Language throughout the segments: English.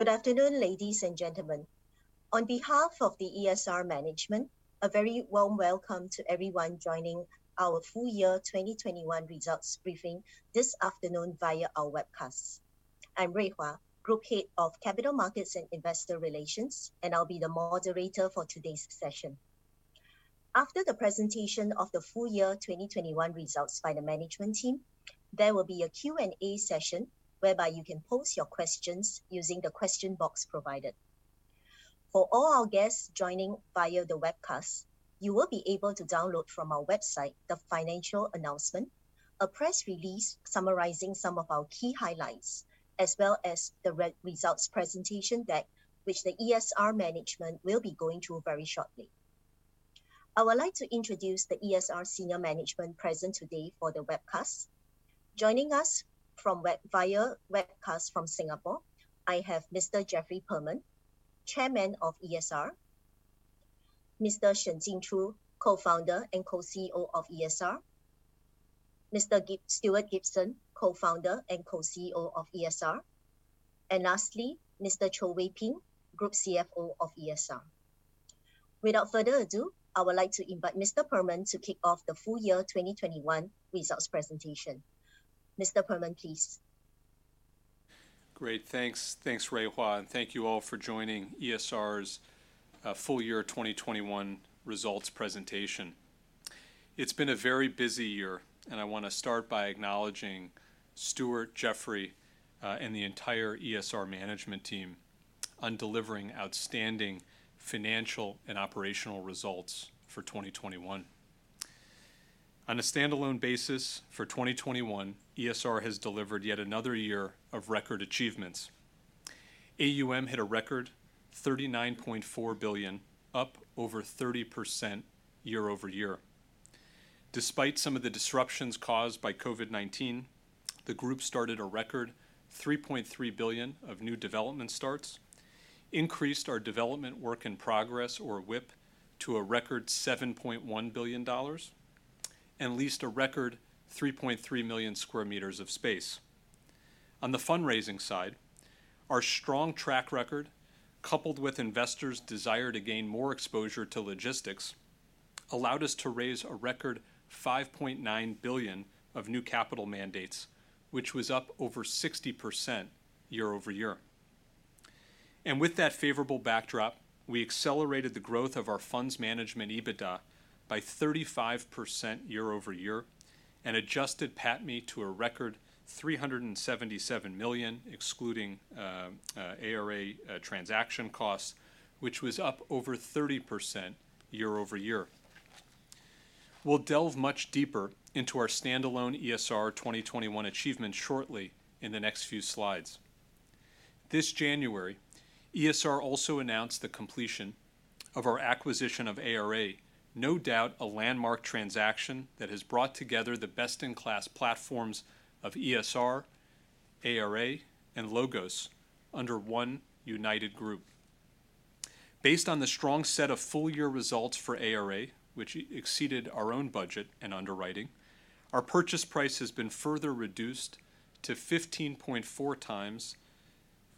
Good afternoon, ladies and gentlemen. On behalf of the ESR management, a very warm welcome to everyone joining our full year 2021 results briefing this afternoon via our webcast. I'm Rui Hua, Group Head of Capital Markets and Investor Relations, and I'll be the moderator for today's session. After the presentation of the full year 2021 results by the management team, there will be a Q&A session whereby you can post your questions using the question box provided. For all our guests joining via the webcast, you will be able to download from our website the financial announcement, a press release summarizing some of our key highlights, as well as the results presentation deck, which the ESR management will be going through very shortly. I would like to introduce the ESR senior management present today for the webcast. Joining us via webcast from Singapore, I have Mr. Jeffrey Perlman, Chairman of ESR, Mr. Jinchu Shen, Co-founder and Co-CEO of ESR, Mr. Stuart Gibson, Co-founder and Co-CEO of ESR, and lastly, Mr. Wee Peng Cho, Group CFO of ESR. Without further ado, I would like to invite Mr. Perlman to kick off the full year 2021 results presentation. Mr. Perlman, please. Great. Thanks. Thanks, Chang Rui Hua, and thank you all for joining ESR's full year 2021 results presentation. It's been a very busy year, and I wanna start by acknowledging Stuart, Jeffrey, and the entire ESR management team on delivering outstanding financial and operational results for 2021. On a standalone basis for 2021, ESR has delivered yet another year of record achievements. AUM hit a record $39.4 billion, up over 30% year-over-year. Despite some of the disruptions caused by COVID-19, the group started a record $3.3 billion of new development starts, increased our development work in progress, or WIP, to a record $7.1 billion, and leased a record 3.3 million sq m of space. On the fundraising side, our strong track record, coupled with investors' desire to gain more exposure to logistics, allowed us to raise a record $5.9 billion of new capital mandates, which was up over 60% year-over-year. With that favorable backdrop, we accelerated the growth of our funds management EBITDA by 35% year-over-year and Adjusted PATMI to a record $377 million, excluding ARA transaction costs, which was up over 30% year-over-year. We'll delve much deeper into our standalone ESR 2021 achievements shortly in the next few slides. This January, ESR also announced the completion of our acquisition of ARA, no doubt a landmark transaction that has brought together the best-in-class platforms of ESR, ARA, and LOGOS under one united group. Based on the strong set of full-year results for ARA, which exceeded our own budget and underwriting, our purchase price has been further reduced to 15.4x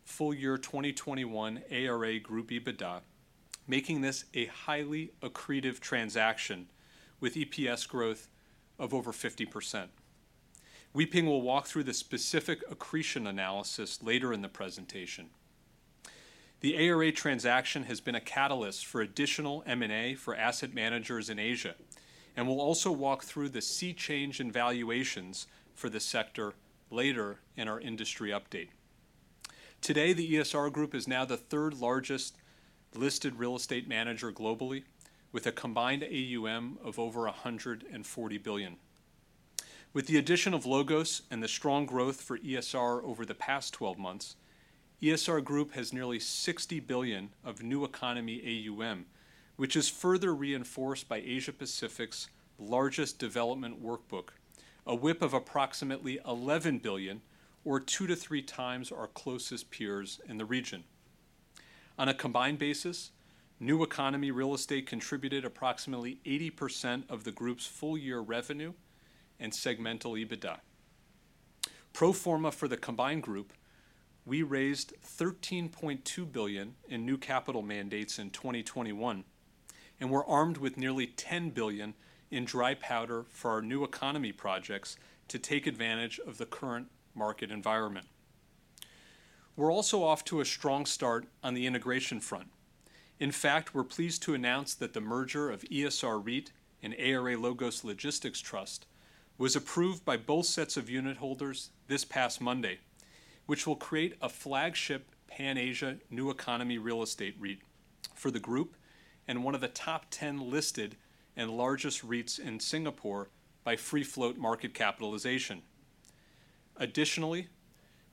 full year 2021 ARA group EBITDA, making this a highly accretive transaction with EPS growth of over 50%. Wee Peng will walk through the specific accretion analysis later in the presentation. The ARA transaction has been a catalyst for additional M&A for asset managers in Asia, and we'll also walk through the sea change in valuations for the sector later in our industry update. Today, the ESR Group is now the third largest listed real estate manager globally, with a combined AUM of over $140 billion. With the addition of LOGOS and the strong growth for ESR over the past 12 months, ESR Group has nearly $60 billion of new economy AUM, which is further reinforced by Asia-Pacific's largest development pipeline, a WIP of approximately $11 billion or 2x-3x our closest peers in the region. On a combined basis, new economy real estate contributed approximately 80% of the group's full-year revenue and segmental EBITDA. Pro forma for the combined group, we raised $13.2 billion in new capital mandates in 2021, and we're armed with nearly $10 billion in dry powder for our new economy projects to take advantage of the current market environment. We're also off to a strong start on the integration front. In fact, we're pleased to announce that the merger of ESR-REIT and ARA LOGOS Logistics Trust was approved by both sets of unitholders this past monday, which will create a flagship Pan-Asia new economy real estate REIT for the group and one of the top ten listed and largest REITs in Singapore by free float market capitalization. Additionally,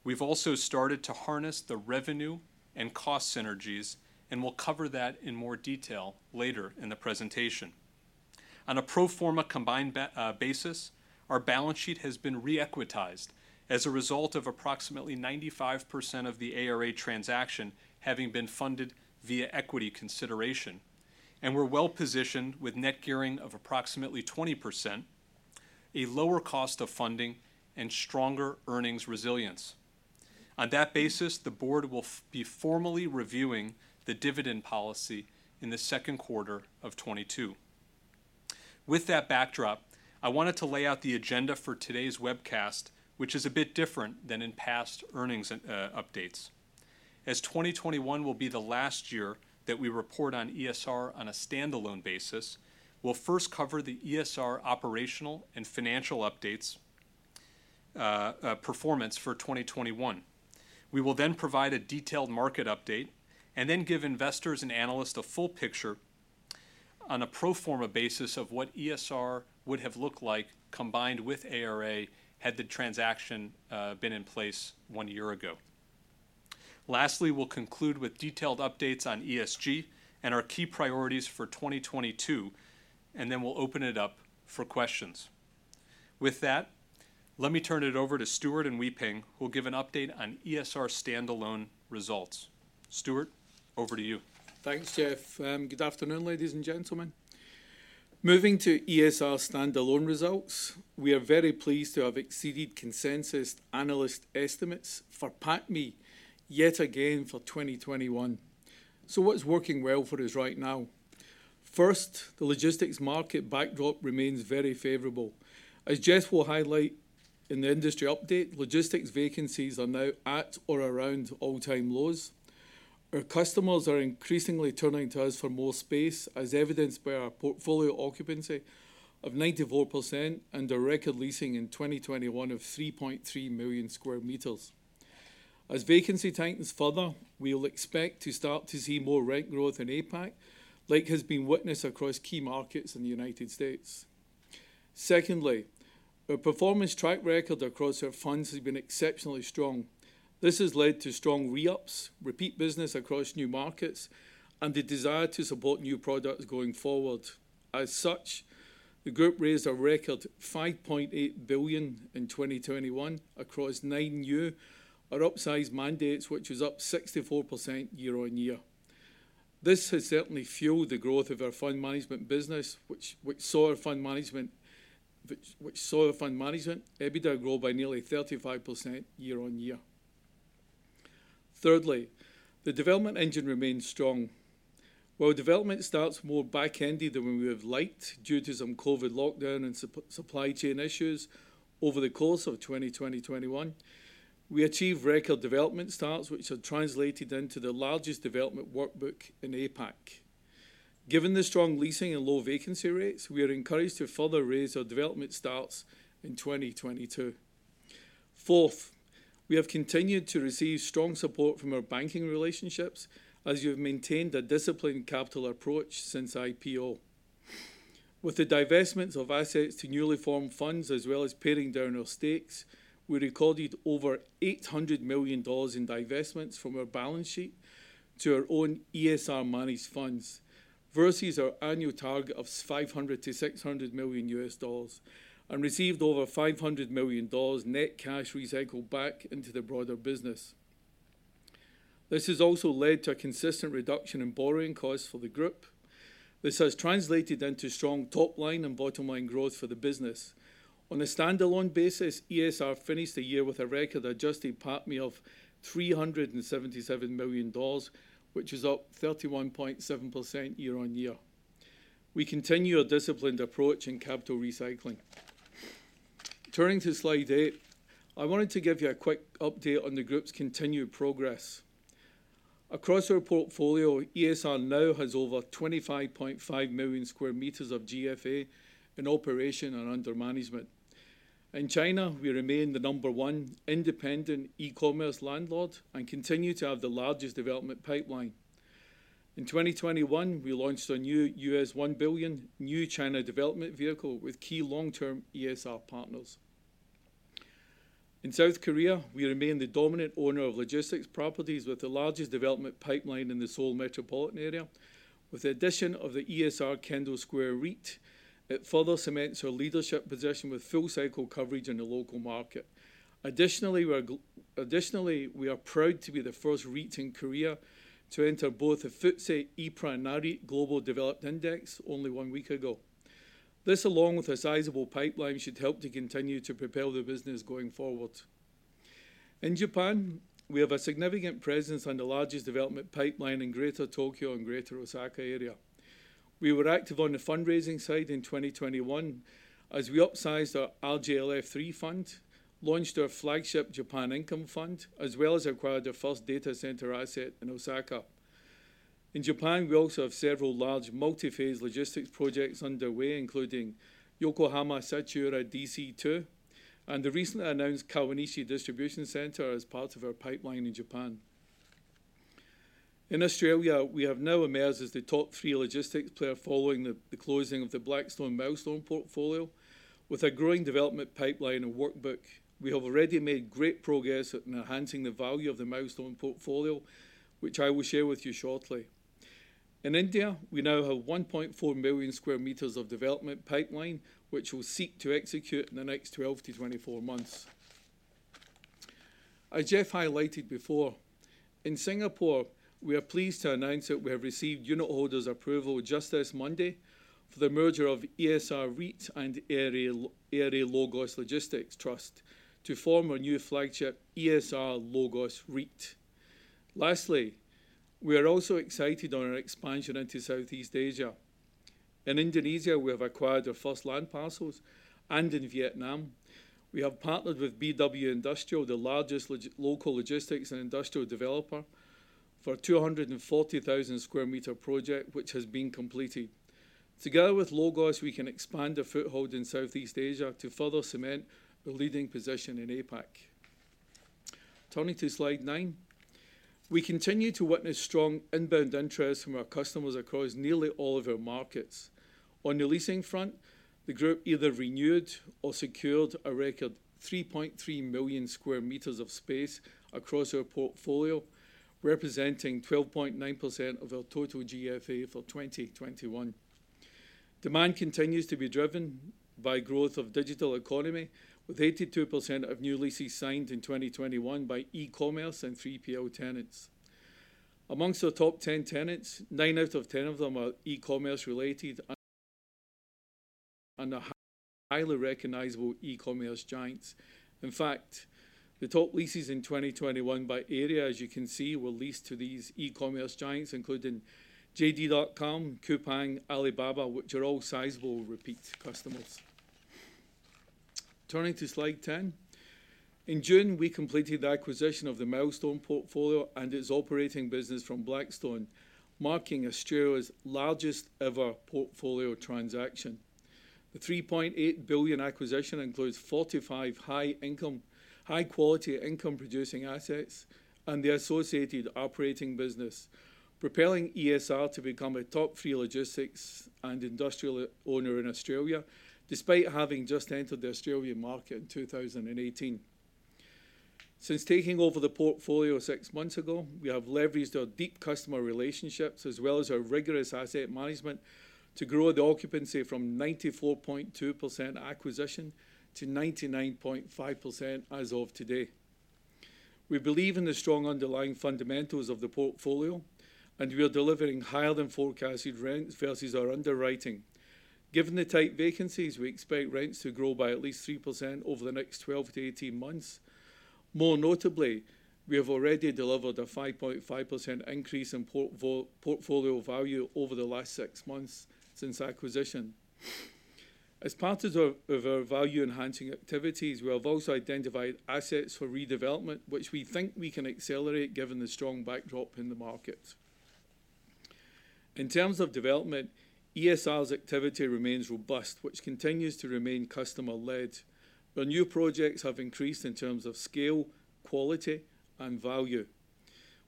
we've also started to harness the revenue and cost synergies, and we'll cover that in more detail later in the presentation. On a pro forma combined basis, our balance sheet has been reequitized as a result of approximately 95% of the ARA transaction having been funded via equity consideration. We're well-positioned with net gearing of approximately 20%, a lower cost of funding and stronger earnings resilience. On that basis, the board will be formally reviewing the dividend policy in the second quarter of 2022. With that backdrop, I wanted to lay out the agenda for today's webcast, which is a bit different than in past earnings updates. As 2021 will be the last year that we report on ESR on a standalone basis, we'll first cover the ESR operational and financial updates, performance for 2021. We will then provide a detailed market update, and then give investors and analysts the full picture on a pro forma basis of what ESR would have looked like combined with ARA had the transaction been in place one year ago. Lastly, we'll conclude with detailed updates on ESG and our key priorities for 2022, and then we'll open it up for questions. With that, let me turn it over to Stuart and Wee Peng, who'll give an update on ESR standalone results. Stuart, over to you. Thanks, Jeff, and good afternoon, ladies and gentlemen. Moving to ESR standalone results, we are very pleased to have exceeded consensus analyst estimates for PATMI yet again for 2021. What is working well for us right now? First, the logistics market backdrop remains very favorable. As Jeff will highlight in the industry update, logistics vacancies are now at or around all-time lows. Our customers are increasingly turning to us for more space, as evidenced by our portfolio occupancy of 94% and a record leasing in 2021 of 3.3 million sq m. As vacancy tightens further, we'll expect to start to see more rent growth in APAC, like has been witnessed across key markets in the U.S. Secondly, our performance track record across our funds has been exceptionally strong. This has led to strong re-ups, repeat business across new markets, and the desire to support new products going forward. As such, the group raised a record $5.8 billion in 2021 across nine new or upsized mandates, which is up 64% year-on-year. This has certainly fueled the growth of our fund management business, which saw our fund management EBITDA grow by nearly 35% year-on-year. Thirdly, the development engine remains strong. While development starts more back-ended than we would have liked due to some COVID lockdown and supply chain issues over the course of 2021, we achieved record development starts, which have translated into the largest development workbook in APAC. Given the strong leasing and low vacancy rates, we are encouraged to further raise our development starts in 2022. Fourth, we have continued to receive strong support from our banking relationships as we have maintained a disciplined capital approach since IPO. With the divestments of assets to newly formed funds, as well as paring down our stakes, we recorded over $800 million in divestments from our balance sheet to our own ESR managed funds, versus our annual target of $500 million-$600 million, and received over $500 million net cash recycled back into the broader business. This has also led to a consistent reduction in borrowing costs for the group. This has translated into strong top line and bottom line growth for the business. On a standalone basis, ESR finished the year with a record adjusted PATMI of $377 million, which is up 31.7% year-on-year. We continue our disciplined approach in capital recycling. Turning to Slide 8, I wanted to give you a quick update on the group's continued progress. Across our portfolio, ESR now has over 25.5 million sq m of GFA in operation and under management. In China, we remain the number one independent e-commerce landlord and continue to have the largest development pipeline. In 2021, we launched our new $1 billion China development vehicle with key long-term ESR partners. In South Korea, we remain the dominant owner of logistics properties with the largest development pipeline in the Seoul metropolitan area. With the addition of the ESR Kendall Square REIT, it further cements our leadership position with full cycle coverage in the local market. Additionally, we are proud to be the first REIT in Korea to enter the FTSE EPRA Nareit Developed Index only one week ago. This, along with a sizable pipeline, should help to continue to propel the business going forward. In Japan, we have a significant presence and the largest development pipeline in Greater Tokyo and Greater Osaka area. We were active on the fundraising side in 2021 as we upsized our RJLF 3 fund, launched our flagship Japan Income Fund, as well as acquired our first data center asset in Osaka. In Japan, we also have several large multi-phase logistics projects underway, including Yokohama Sachiura DC2 and the recently announced Kawanishi Distribution Center as part of our pipeline in Japan. In Australia, we have now emerged as the top three logistics player following the closing of the Blackstone Milestone portfolio. With a growing development pipeline and workbook, we have already made great progress at enhancing the value of the Milestone portfolio, which I will share with you shortly. In India, we now have 1.4 million sq m of development pipeline, which we'll seek to execute in the next 12-24 months. As Jeff highlighted before, in Singapore, we are pleased to announce that we have received unitholders approval just this Monday for the merger of ESR-REIT and ARA LOGOS Logistics Trust to form our new flagship, ESR-LOGOS REIT. Lastly, we are also excited on our expansion into Southeast Asia. In Indonesia, we have acquired our first land parcels, and in Vietnam, we have partnered with BW Industrial, the largest logistics and industrial developer for 240,000 sq m project, which has been completed. Together with LOGOS, we can expand a foothold in Southeast Asia to further cement the leading position in APAC. Turning to Slide 9. We continue to witness strong inbound interest from our customers across nearly all of our markets. On the leasing front, the group either renewed or secured a record 3.3 million sq m of space across our portfolio, representing 12.9% of our total GFA for 2021. Demand continues to be driven by growth of digital economy, with 82% of new leases signed in 2021 by e-commerce and 3PL tenants. Amongst the top 10 tenants, nine out of 10 of them are e-commerce related and are highly recognizable e-commerce giants. In fact, the top leases in 2021 by area, as you can see, were leased to these e-commerce giants, including JD.com, Coupang, Alibaba, which are all sizable repeat customers. Turning to Slide 10. In June, we completed the acquisition of the Milestone portfolio and its operating business from Blackstone, marking Australia's largest ever portfolio transaction. The 3.8 billion acquisition includes 45 high quality income producing assets and the associated operating business, propelling ESR to become a top three logistics and industrial owner in Australia, despite having just entered the Australian market in 2018. Since taking over the portfolio six months ago, we have leveraged our deep customer relationships as well as our rigorous asset management to grow the occupancy from 94.2% at acquisition to 99.5% as of today. We believe in the strong underlying fundamentals of the portfolio, and we are delivering higher than forecasted rents versus our underwriting. Given the tight vacancies, we expect rents to grow by at least 3% over the next 12-18 months. More notably, we have already delivered a 5.5% increase in portfolio value over the last six months since acquisition. As part of our value-enhancing activities, we have also identified assets for redevelopment, which we think we can accelerate given the strong backdrop in the market. In terms of development, ESR's activity remains robust, which continues to remain customer-led. The new projects have increased in terms of scale, quality and value,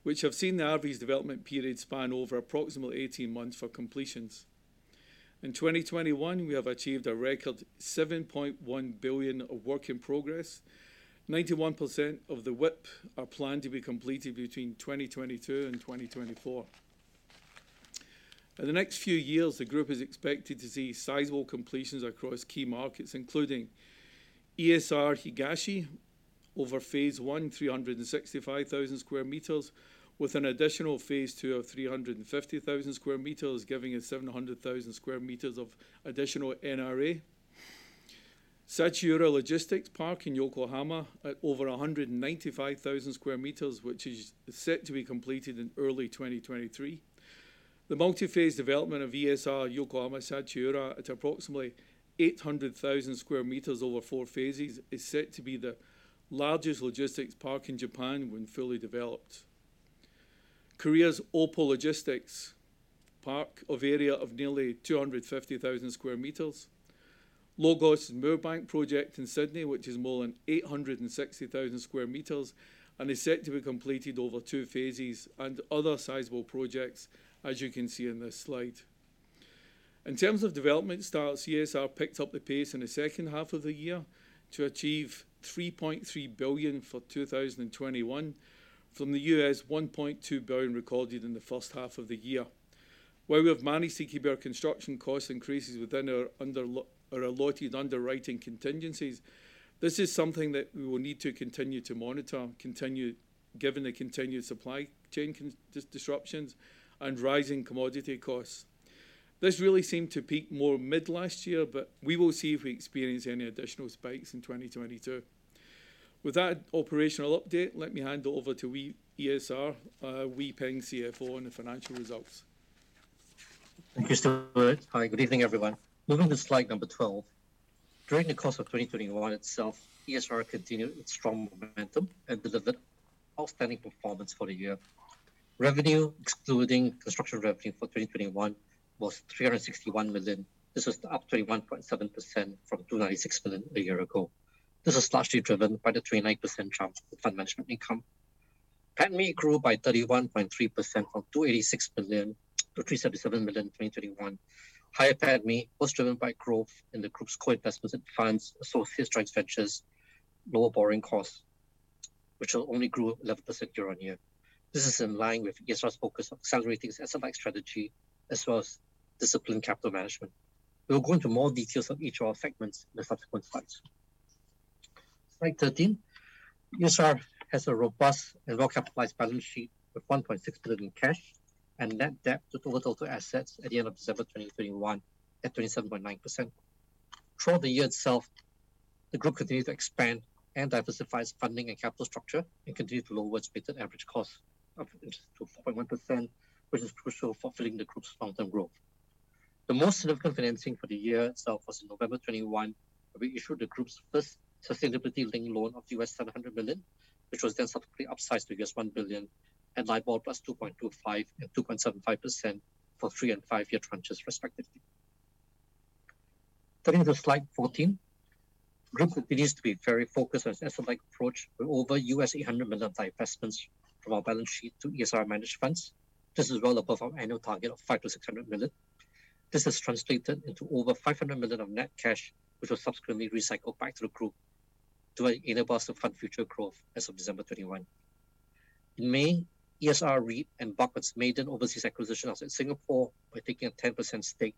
which have seen the average development period span over approximately 18 months for completions. In 2021, we have achieved a record $7.1 billion of work in progress. 91% of the WIP are planned to be completed between 2022 and 2024. In the next few years, the group is expected to see sizable completions across key markets, including ESR Higashi over phase I, 365,000 sq m, with an additional phase II of 350,000 sq m, giving it 700,000 sq m of additional NRA. Sachiura Logistics Park in Yokohama at over 195,000 sq m, which is set to be completed in early 2023. The multi-phase development of ESR Yokohama Sachiura at approximately 800,000 sq m over four phases is set to be the largest logistics park in Japan when fully developed. Korea's Opo Logistics Park of an area of nearly 250,000 sq m. LOGOS Moorebank project in Sydney, which is more than 860,000 sq m and is set to be completed over two phases and other sizable projects, as you can see in this slide. In terms of development starts, ESR picked up the pace in the second half of the year to achieve $3.3 billion for 2021 from the $1.2 billion recorded in the first half of the year. While we have managed to keep our construction cost increases within our allotted underwriting contingencies, this is something that we will need to continue to monitor, given the continued supply chain disruptions and rising commodity costs. This really seemed to peak more mid last year, but we will see if we experience any additional spikes in 2022. With that operational update, let me hand over to Wee Peng Cho, CFO, on the financial results. Thank you, Stuart. Hi, good evening, everyone. Moving to Slide 12. During the course of 2021 itself, ESR continued its strong momentum and delivered outstanding performance for the year. Revenue, excluding construction revenue for 2021 was $361 million. This was up 31.7% from $296 million a year ago. This is largely driven by the 39% jump in fund management income. PATMI grew by 31.3% from $286 million-$377 million in 2021. Higher PATMI was driven by growth in the group's co-investments and funds, associated joint ventures, lower borrowing costs, which only grew 11% year on year. This is in line with ESR's focus on accelerating its asset-light strategy, as well as disciplined capital management. We'll go into more details on each of our segments in the subsequent slides. Slide 13. ESR has a robust and well-capitalized balance sheet with $1.6 billion in cash and net debt to total assets at the end of December 2021 at 27.9%. Throughout the year itself, the group continued to expand and diversify its funding and capital structure, and continued to lower its weighted average cost of interest to 4.1%, which is crucial for fueling the group's long-term growth. The most significant financing for the year itself was in November 2021, where we issued the group's first Sustainability-Linked Loan of $700 million, which was then subsequently upsized to $1 billion at LIBOR plus 2.25% and 2.75% for three and five-year tranches respectively. Turning to Slide 14. Group continues to be very focused on its asset-light approach with over $800 million divestments from our balance sheet to ESR managed funds. This is well above our annual target of $500 million-$600 million. This has translated into over $500 million of net cash, which was subsequently recycled back to the group to enable us to fund future growth as of December 2021. In May, ESR-REIT embarked on its maiden overseas acquisition outside Singapore by taking a 10% stake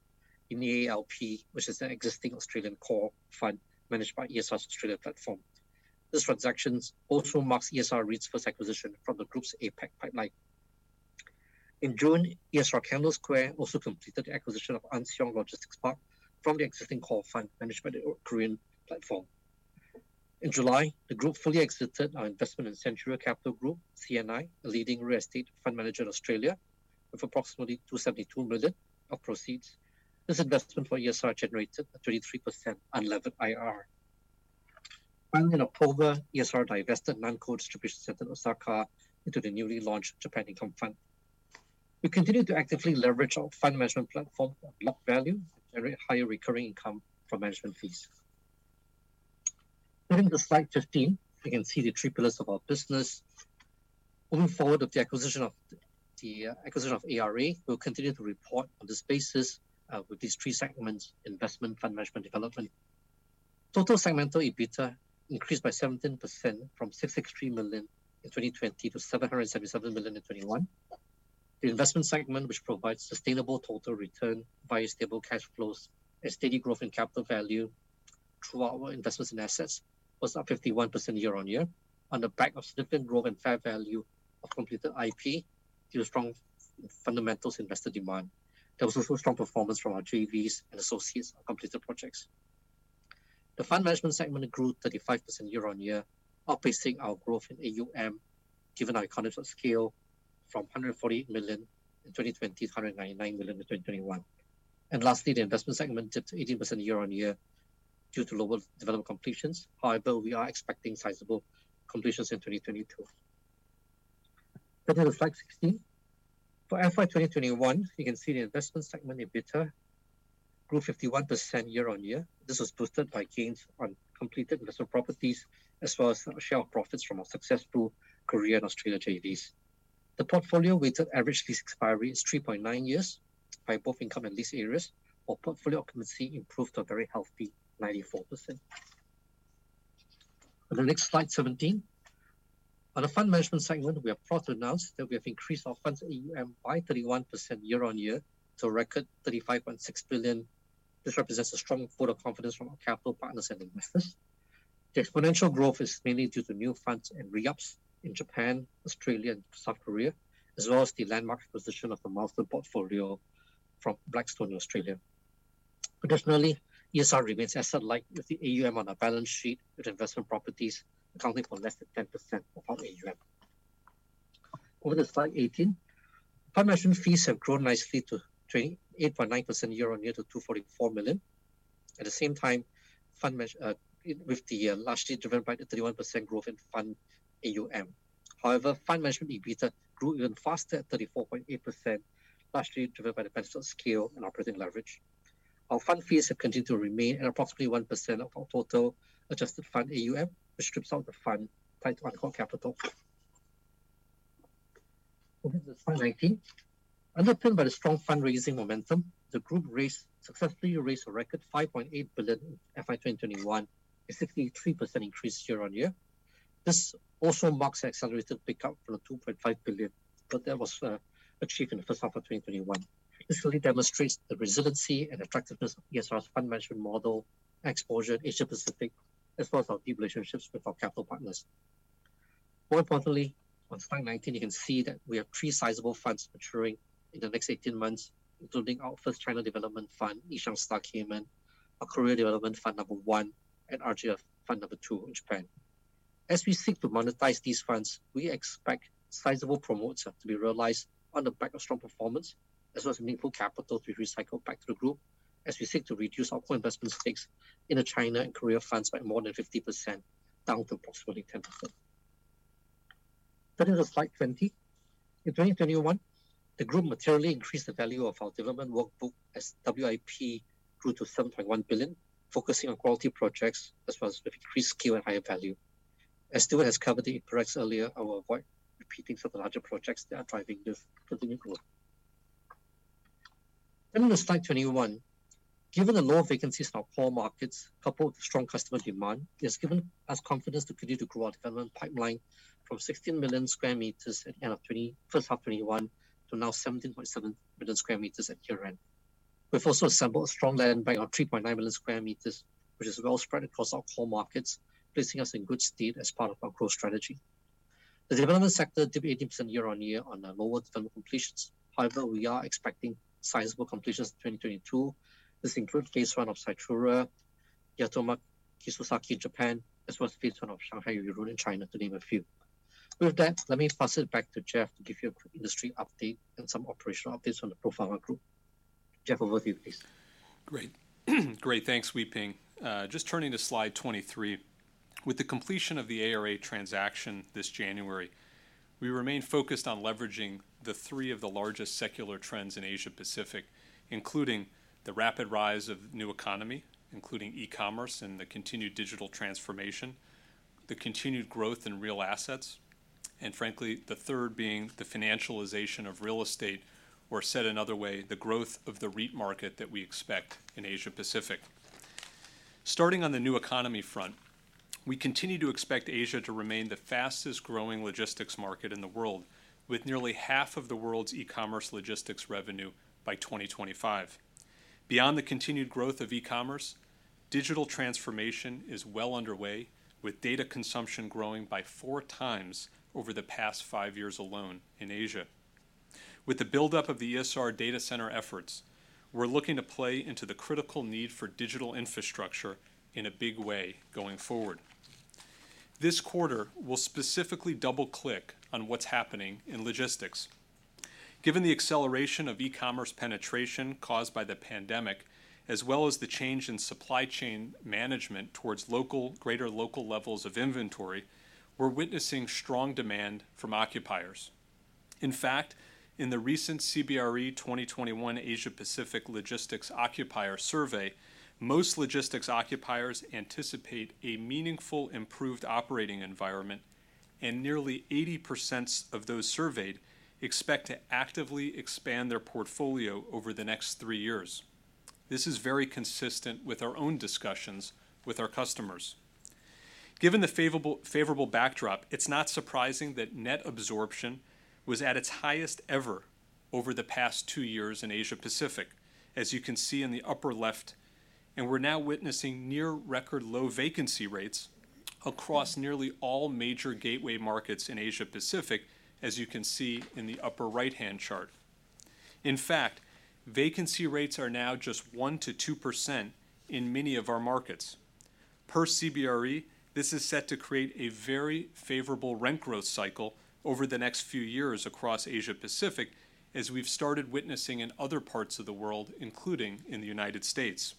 in EALP, which is an existing Australian core fund managed by ESR's Australia platform. This transaction also marks ESR-REIT's first acquisition from the group's APAC pipeline. In June, ESR Kendall Square also completed the acquisition of Anseong Logistics Park from the existing core fund managed by the Korean platform. In July, the group fully exited our investment in Centuria Capital Group, CNI, a leading real estate fund manager in Australia, with approximately $272 million of proceeds. This investment for ESR generated a 33% unlevered IRR. Finally, in October, ESR divested Nanko Distribution Center in Osaka into the newly launched Japan Income Fund. We continue to actively leverage our fund management platform to unlock value and generate higher recurring income from management fees. Turning to Slide 15, we can see the three pillars of our business. Moving forward with the acquisition of ARA, we'll continue to report on this basis with these three segments, investment, fund management, development. Total segmental EBITDA increased by 17% from $663 million in 2020 to $777 million in 2021. The Investment segment, which provides sustainable total return via stable cash flows and steady growth in capital value through our investments in assets, was up 51% year-over-year on the back of significant growth in fair value of completed IP due to strong fundamentals in investor demand. There was also strong performance from our JVs and associates on completed projects. The Fund Management segment grew 35% year-over-year, outpacing our growth in AUM, given our economies of scale from $148 million in 2020 to $199 million in 2021. Lastly, the Investment segment dipped 18% year-over-year due to lower development completions. However, we are expecting sizable completions in 2022. Turning to Slide 16. For FY 2021, you can see the Investment segment EBITDA grew 51% year-over-year. This was boosted by gains on completed investment properties as well as a share of profits from our successful Korea and Australia JVs. The portfolio weighted average lease expiry is three point nine years by both income and lease areas, while portfolio occupancy improved to a very healthy 94%. On the next Slide, 17. On the fund management segment, we are proud to announce that we have increased our funds AUM by 31% year-on-year to a record $35.6 billion. This represents a strong vote of confidence from our capital partners and investors. The exponential growth is mainly due to new funds and reups in Japan, Australia, and South Korea, as well as the landmark acquisition of the Milestone portfolio from Blackstone Australia. ESR remains asset-light with the AUM on our balance sheet, with investment properties accounting for less than 10% of our AUM. Over to Slide 18. Fund management fees have grown nicely 28.9% year-on-year to $244 million. At the same time, largely driven by the 31% growth in fund AUM. However, fund management EBITDA grew even faster at 34.8%, largely driven by the benefits of scale and operating leverage. Our fund fees have continued to remain at approximately 1% of our total adjusted fund AUM, which strips out the fund tied to uncalled capital. Over to Slide 19. Underpinned by the strong fundraising momentum, the group successfully raised a record $5.8 billion in FY 2021, a 63% increase year-on-year. This also marks an accelerated pick-up from the $2.5 billion that was achieved in the first half of 2021. This really demonstrates the resiliency and attractiveness of ESR's fund management model, our exposure in Asia-Pacific, as well as our deep relationships with our capital partners. More importantly, on Slide 19, you can see that we have three sizable funds maturing in the next 18 months, including our first China development fund, e-Shang Star Cayman, our Korea Development Fund number one, and RJLF 2 in Japan. As we seek to monetize these funds, we expect sizable promotes to be realized on the back of strong performance, as well as meaningful capital to be recycled back to the group, as we seek to reduce our core investment stakes in the China and Korea funds by more than 50%, down to approximately 10%. Turning to Slide 20. In 2021, the group materially increased the value of our development workbook as WIP grew to $7.1 billion, focusing on quality projects as well as with increased scale and higher value. As Stuart has covered the progress earlier, I will avoid repeating some of the larger projects that are driving this continued growth. Turning to Slide 21. Given the low vacancies in our core markets, coupled with strong customer demand, it has given us confidence to continue to grow our development pipeline from 16 million sq m at the end of first half 2021 to now 17.7 million sq m at year-end. We've also assembled a strong land bank of 3.9 million sq m, which is well spread across our core markets, placing us in good stead as part of our growth strategy. The development sector dipped 80% year-over-year on lower development completions. However, we are expecting sizable completions in 2022. This includes phase one of Sachiura, Yatomi, Kisosaki, Japan, as well as phase I of Shanghai Yurun in China, to name a few. With that, let me pass it back to Jeff to give you a quick industry update and some operational updates on the pro forma group. Jeff, over to you, please. Great. Thanks, Wee Peng. Just turning to Slide 23. With the completion of the ARA transaction this January, we remain focused on leveraging the three of the largest secular trends in Asia-Pacific, including the rapid rise of New Economy, including e-commerce and the continued digital transformation, the continued growth in real assets, and frankly, the third being the financialization of real estate, or said another way, the growth of the REIT market that we expect in Asia-Pacific. Starting on the New Economy front, we continue to expect Asia to remain the fastest-growing logistics market in the world, with nearly half of the world's e-commerce logistics revenue by 2025. Beyond the continued growth of e-commerce, digital transformation is well underway, with data consumption growing by four times over the past five years alone in Asia. With the buildup of the ESR data center efforts, we're looking to play into the critical need for digital infrastructure in a big way going forward. This quarter, we'll specifically double-click on what's happening in logistics. Given the acceleration of e-commerce penetration caused by the pandemic, as well as the change in supply chain management towards greater local levels of inventory, we're witnessing strong demand from occupiers. In fact, in the recent CBRE 2021 Asia-Pacific Logistics Occupier Survey, most logistics occupiers anticipate a meaningfully improved operating environment, and nearly 80% of those surveyed expect to actively expand their portfolio over the next three years. This is very consistent with our own discussions with our customers. Given the favorable backdrop, it's not surprising that net absorption was at its highest ever over the past two years in Asia-Pacific, as you can see in the upper left, and we're now witnessing near record low vacancy rates across nearly all major gateway markets in Asia -Pacific, as you can see in the upper right-hand chart. In fact, vacancy rates are now just 1%-2% in many of our markets. Per CBRE, this is set to create a very favorable rent growth cycle over the next few years across Asia-Pacific, as we've started witnessing in other parts of the world, including in the United States.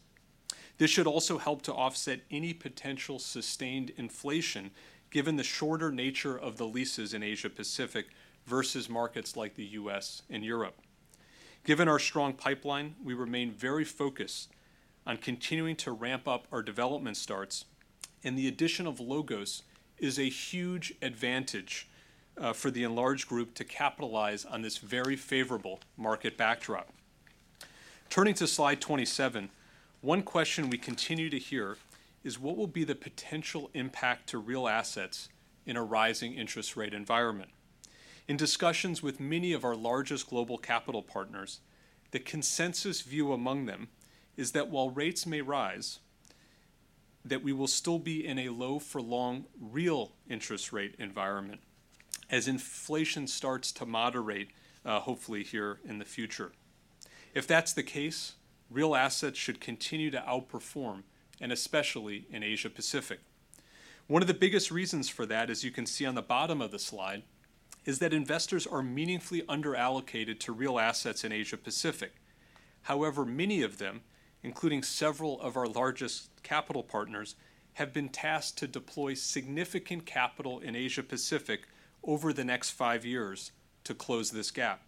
This should also help to offset any potential sustained inflation, given the shorter nature of the leases in Asia-Pacific versus markets like the U.S. and Europe. Given our strong pipeline, we remain very focused on continuing to ramp up our development starts. The addition of LOGOS is a huge advantage, for the enlarged group to capitalize on this very favorable market backdrop. Turning to Slide 27, one question we continue to hear is what will be the potential impact to real assets in a rising interest rate environment? In discussions with many of our largest global capital partners, the consensus view among them is that while rates may rise, that we will still be in a low for long real interest rate environment as inflation starts to moderate, hopefully here in the future. If that's the case, real assets should continue to outperform, and especially in Asia-Pacific. One of the biggest reasons for that, as you can see on the bottom of the slide, is that investors are meaningfully underallocated to real assets in Asia-Pacific. However, many of them, including several of our largest capital partners, have been tasked to deploy significant capital in Asia-Pacific over the next five years to close this gap.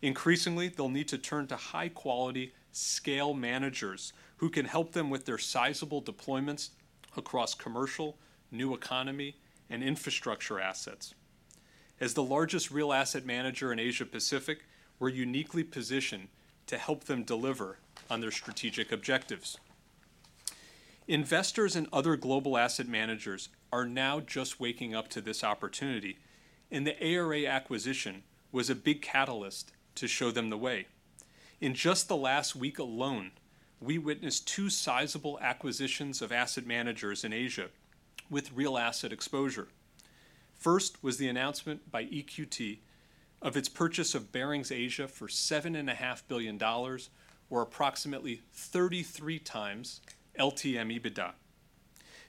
Increasingly, they'll need to turn to high-quality scale managers who can help them with their sizable deployments across commercial, new economy, and infrastructure assets. As the largest real asset manager in Asia-Pacific, we're uniquely positioned to help them deliver on their strategic objectives. Investors and other global asset managers are now just waking up to this opportunity, and the ARA acquisition was a big catalyst to show them the way. In just the last week alone, we witnessed two sizable acquisitions of asset managers in Asia with real asset exposure. First was the announcement by EQT of its purchase of Baring Private Equity Asia for $7.5 billion or approximately 33x LTM EBITDA.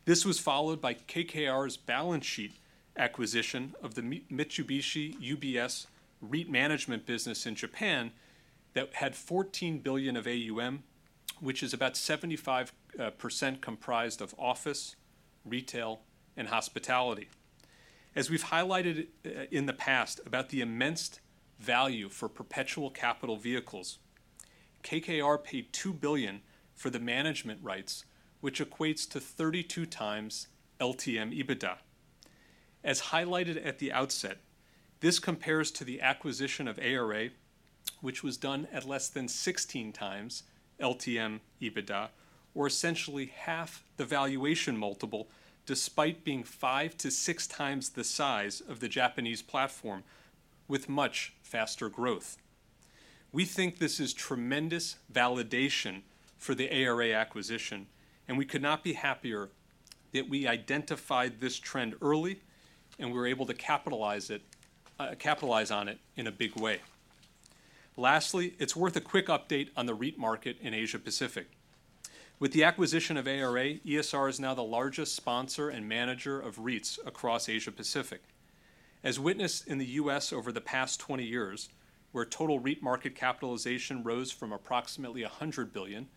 This was followed by KKR's balance sheet acquisition of the Mitsubishi Corp.-UBS Realty Inc. REIT management business in Japan that had 14 billion of AUM, which is about 75% comprised of office, retail, and hospitality. As we've highlighted in the past about the immense value for perpetual capital vehicles, KKR paid $2 billion for the management rights, which equates to 32x LTM EBITDA. As highlighted at the outset, this compares to the acquisition of ARA, which was done at less than 16x LTM EBITDA, or essentially half the valuation multiple, despite being 5x-6x the size of the Japanese platform with much faster growth. We think this is tremendous validation for the ARA acquisition, and we could not be happier that we identified this trend early and were able to capitalize on it in a big way. Lastly, it's worth a quick update on the REIT market in Asia-Pacific. With the acquisition of ARA, ESR is now the largest sponsor and manager of REITs across Asia-Pacific. As witnessed in the U.S. over the past 20 years, where total REIT market capitalization rose from approximately $100 billion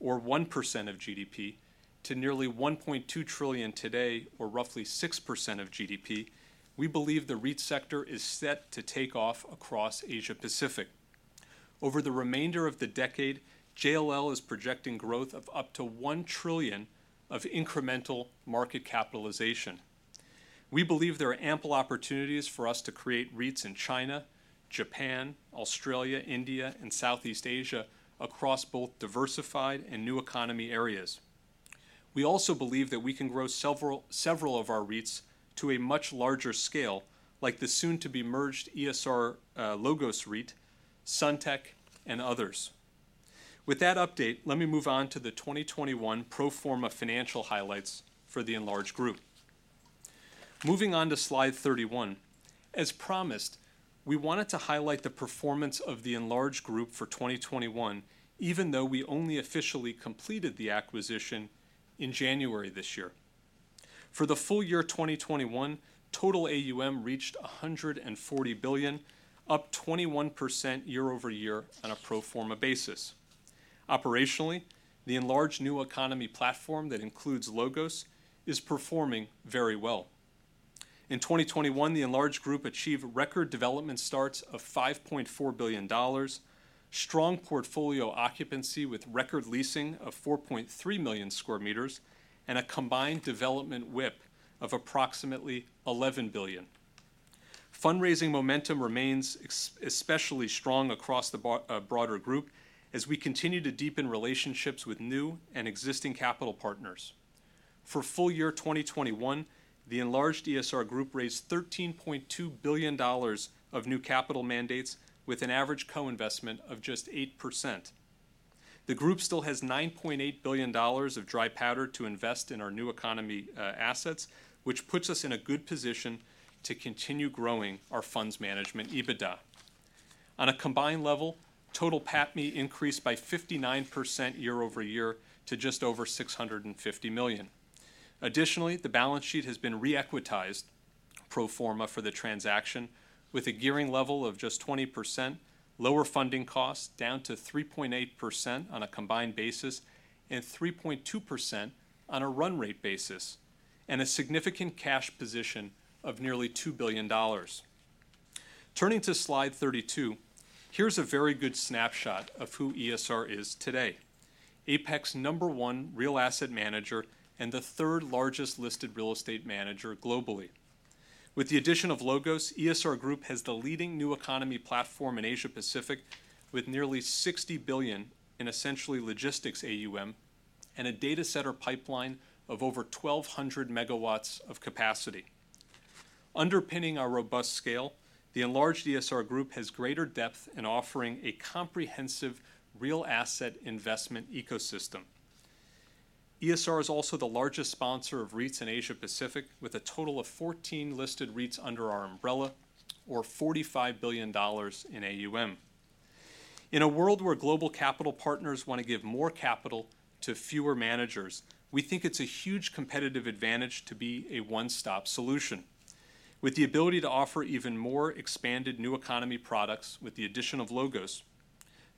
or 1% of GDP to nearly $1.2 trillion today, or roughly 6% of GDP, we believe the REIT sector is set to take off across Asia-Pacific. Over the remainder of the decade, JLL is projecting growth of up to $1 trillion of incremental market capitalization. We believe there are ample opportunities for us to create REITs in China, Japan, Australia, India, and Southeast Asia across both diversified and new economy areas. We also believe that we can grow several of our REITs to a much larger scale, like the soon-to-be-merged ESR-LOGOS REIT, Suntec REIT, and others. With that update, let me move on to the 2021 pro forma financial highlights for the enlarged group. Moving on to Slide 31. As promised, we wanted to highlight the performance of the enlarged group for 2021, even though we only officially completed the acquisition in January this year. For the full year 2021, total AUM reached $140 billion, up 21% year-over-year on a pro forma basis. Operationally, the enlarged new economy platform that includes LOGOS is performing very well. In 2021, the enlarged group achieved record development starts of $5.4 billion, strong portfolio occupancy with record leasing of 4.3 million sq m, and a combined development WIP of approximately $11 billion. Fundraising momentum remains especially strong across the broader group as we continue to deepen relationships with new and existing capital partners. For full year 2021, the enlarged ESR Group raised $13.2 billion of new capital mandates with an average co-investment of just 8%. The group still has $9.8 billion of dry powder to invest in our new economy assets, which puts us in a good position to continue growing our funds management EBITDA. On a combined level, total PATMI increased by 59% year-over-year to just over $650 million. Additionally, the balance sheet has been reequitized pro forma for the transaction with a gearing level of just 20%, lower funding costs down to 3.8% on a combined basis and 3.2% on a run rate basis, and a significant cash position of nearly $2 billion. Turning to Slide 32, here's a very good snapshot of who ESR is today. Apex number one real asset manager and the 3rd largest listed real estate manager globally. With the addition of LOGOS, ESR Group has the leading new economy platform in Asia-Pacific with nearly $60 billion in essentially logistics AUM and a data center pipeline of over 1,200 MW of capacity. Underpinning our robust scale, the enlarged ESR Group has greater depth in offering a comprehensive real asset investment ecosystem. ESR is also the largest sponsor of REITs in Asia-Pacific, with a total of 14 listed REITs under our umbrella, or $45 billion in AUM. In a world where global capital partners want to give more capital to fewer managers, we think it's a huge competitive advantage to be a one-stop solution. With the ability to offer even more expanded new economy products with the addition of LOGOS,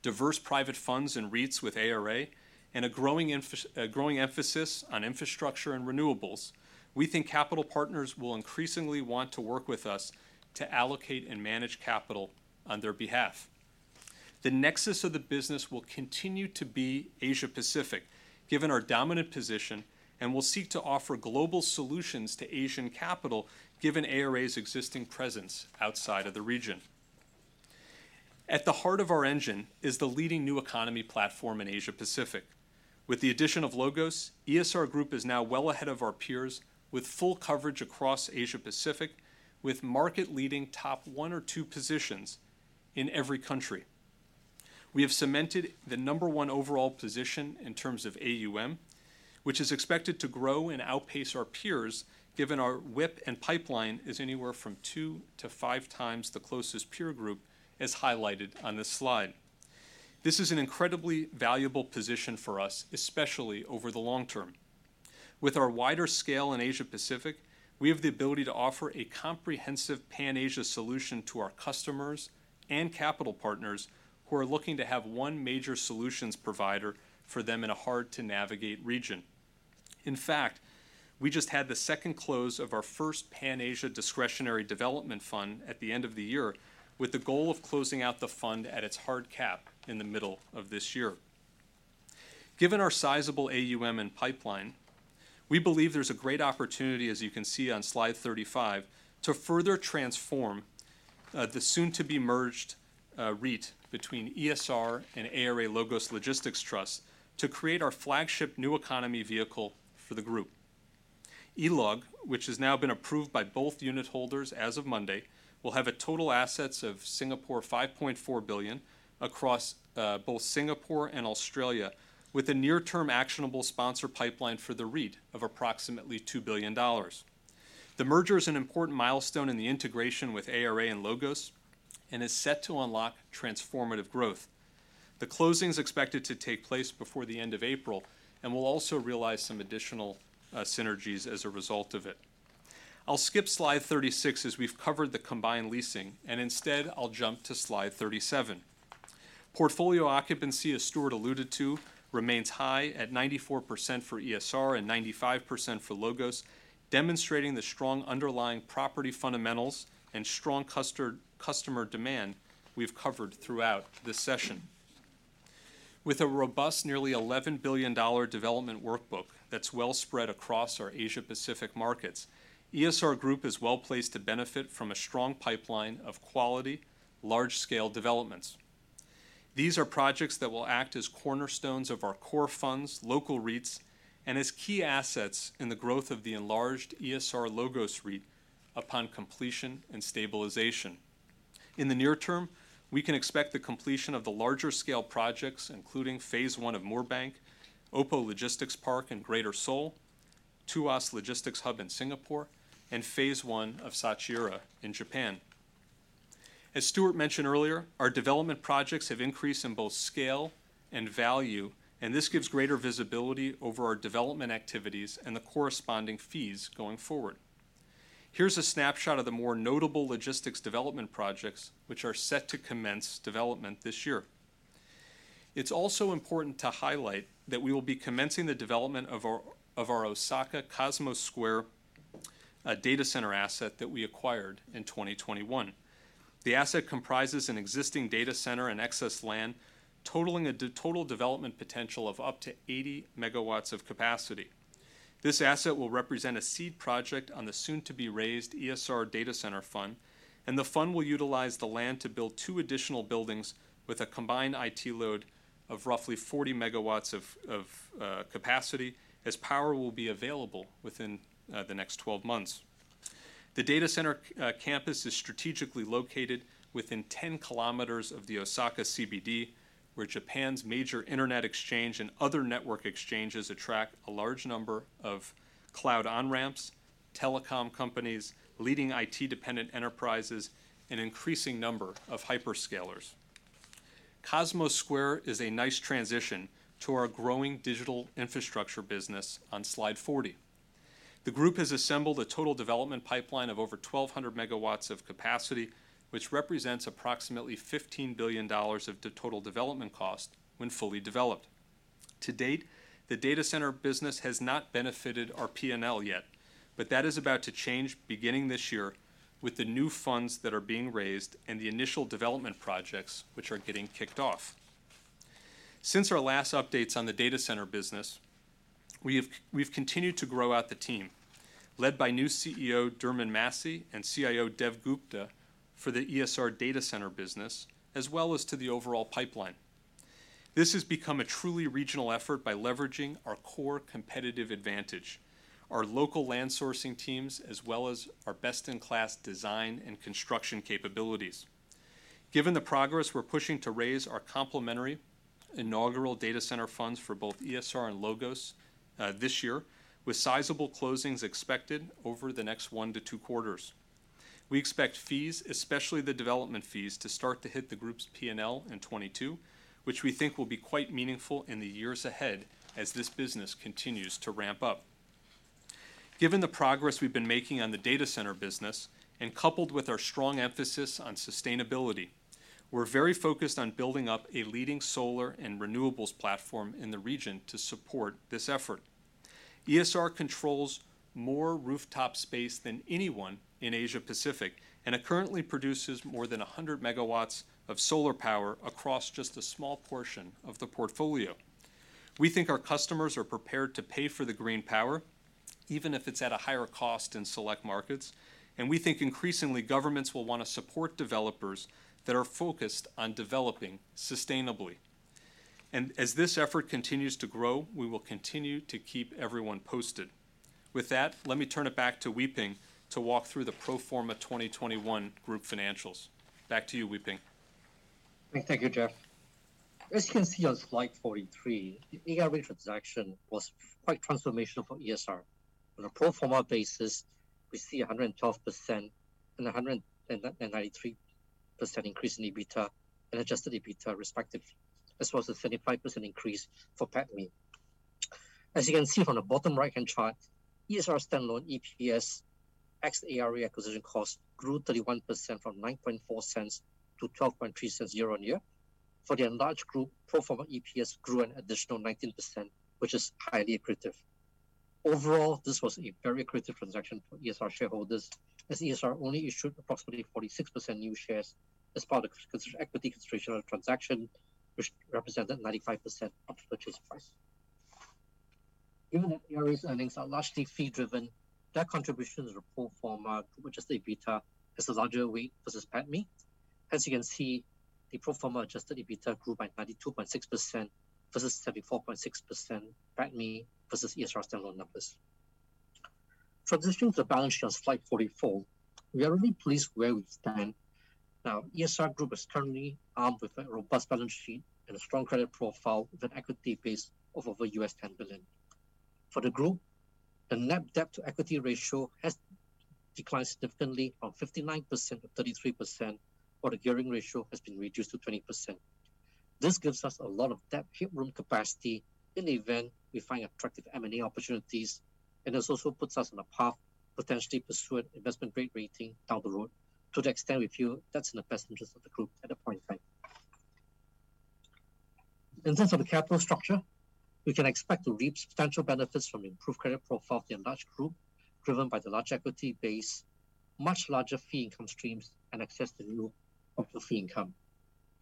diverse private funds and REITs with ARA, and a growing emphasis on infrastructure and renewables, we think capital partners will increasingly want to work with us to allocate and manage capital on their behalf. The nexus of the business will continue to be Asia-Pacific, given our dominant position, and will seek to offer global solutions to Asian capital, given ARA's existing presence outside of the region. At the heart of our engine is the leading new economy platform in Asia-Pacific. With the addition of LOGOS, ESR Group is now well ahead of our peers with full coverage across Asia-Pacific, with market leading top one or two positions in every country. We have cemented the number one overall position in terms of AUM, which is expected to grow and outpace our peers, given our WIP and pipeline is anywhere from 2x-5x the closest peer group, as highlighted on this slide. This is an incredibly valuable position for us, especially over the long term. With our wider scale in Asia-Pacific, we have the ability to offer a comprehensive Pan-Asia solution to our customers and capital partners who are looking to have one major solutions provider for them in a hard-to-navigate region. In fact, we just had the second close of our first Pan-Asia discretionary development fund at the end of the year with the goal of closing out the fund at its hard cap in the middle of this year. Given our sizable AUM and pipeline, we believe there's a great opportunity, as you can see on Slide 35, to further transform the soon-to-be-merged REIT between ESR and ARA LOGOS Logistics Trust to create our flagship new economy vehicle for the group. E-LOG, which has now been approved by both unitholders as of Monday, will have a total assets of 5.4 billion across both Singapore and Australia, with a near-term actionable sponsor pipeline for the REIT of approximately $2 billion. The merger is an important milestone in the integration with ARA and LOGOS and is set to unlock transformative growth. The closing is expected to take place before the end of April, and we'll also realize some additional synergies as a result of it. I'll skip Slide 36 as we've covered the combined leasing, and instead I'll jump to Slide 37. Portfolio occupancy, as Stuart alluded to, remains high at 94% for ESR and 95% for LOGOS, demonstrating the strong underlying property fundamentals and strong customer demand we've covered throughout this session. With a robust nearly $11 billion development workbank that's well spread across our Asia-Pacific markets, ESR Group is well-placed to benefit from a strong pipeline of quality, large-scale developments. These are projects that will act as cornerstones of our core funds, local REITs, and as key assets in the growth of the enlarged ESR-LOGOS REIT upon completion and stabilization. In the near term, we can expect the completion of the larger scale projects, including phase one of Moorebank, Opo Logistics Park in Greater Seoul, Tuas Logistics Hub in Singapore, and phase I of Sachiura in Japan. As Stuart mentioned earlier, our development projects have increased in both scale and value, and this gives greater visibility over our development activities and the corresponding fees going forward. Here's a snapshot of the more notable logistics development projects which are set to commence development this year. It's also important to highlight that we will be commencing the development of our Osaka Cosmos Square data center asset that we acquired in 2021. The asset comprises an existing data center and excess land, totaling a total development potential of up to 80 MW of capacity. This asset will represent a seed project on the soon-to-be-raised ESR Data Center Fund, and the fund will utilize the land to build two additional buildings with a combined IT load of roughly 40 MW of capacity as power will be available within the next 12 months. The data center campus is strategically located within 10 km of the Osaka CBD, where Japan's major internet exchange and other network exchanges attract a large number of cloud on-ramps, telecom companies, leading IT-dependent enterprises, an increasing number of hyperscalers. Cosmos Square is a nice transition to our growing digital infrastructure business on Slide 40. The group has assembled a total development pipeline of over 1,200 MW of capacity, which represents approximately $15 billion of the total development cost when fully developed. To date, the data center business has not benefited our P&L yet, but that is about to change beginning this year with the new funds that are being raised and the initial development projects which are getting kicked off. Since our last updates on the data center business, we've continued to grow out the team, led by new CEO Diarmid Massey and CIO Dev Gupta for the ESR Data Center business, as well as to the overall pipeline. This has become a truly regional effort by leveraging our core competitive advantage, our local land sourcing teams, as well as our best-in-class design and construction capabilities. Given the progress, we're pushing to raise our complementary inaugural data center funds for both ESR and LOGOS this year, with sizable closings expected over the next 1-2 quarters. We expect fees, especially the development fees, to start to hit the group's P&L in 2022, which we think will be quite meaningful in the years ahead as this business continues to ramp up. Given the progress we've been making on the data center business, and coupled with our strong emphasis on sustainability, we're very focused on building up a leading solar and renewables platform in the region to support this effort. ESR controls more rooftop space than anyone in Asia-Pacific, and it currently produces more than 100 MW of solar power across just a small portion of the portfolio. We think our customers are prepared to pay for the green power, even if it's at a higher cost in select markets. We think increasingly governments will want to support developers that are focused on developing sustainably. As this effort continues to grow, we will continue to keep everyone posted. With that, let me turn it back to Wee Peng to walk through the pro forma 2021 group financials. Back to you, Wee Peng. Thank you, Jeff. As you can see on Slide 43, the ARA transaction was quite transformational for ESR. On a pro forma basis, we see 112% and 193% increase in EBITA and Adjusted EBITA respectively, as well as a 35% increase for PATMI. As you can see from the bottom right-hand chart, ESR standalone EPS ex the ARA acquisition cost grew 31% from $0.094-$0.123 year-over-year. For the enlarged group, pro forma EPS grew an additional 19%, which is highly accretive. Overall, this was a very accretive transaction for ESR shareholders, as ESR only issued approximately 46% new shares as part of the equity consideration transaction, which represented 95% of the purchase price. Given that ARA's earnings are largely fee-driven, their contribution to the pro forma, which is the EBITDA, is a larger weight versus PATMI. As you can see. The pro forma Adjusted EBITDA grew by 92.6% versus 34.6% for ESR standalone numbers. Transition to the balance sheet on Slide 44, we are really pleased with where we stand. Now, ESR Group is currently armed with a robust balance sheet and a strong credit profile with an equity base of over $10 billion. For the group, the net debt to equity ratio has declined significantly from 59% to 33%, while the gearing ratio has been reduced to 20%. This gives us a lot of debt headroom capacity in the event we find attractive M&A opportunities, and this also puts us on a path to potentially pursue an investment-grade rating down the road to the extent we feel that's in the best interest of the group at that point in time. In terms of the capital structure, we can expect to reap substantial benefits from improved credit profile of the enlarged group, driven by the large equity base, much larger fee income streams, and access to new sources of fee income.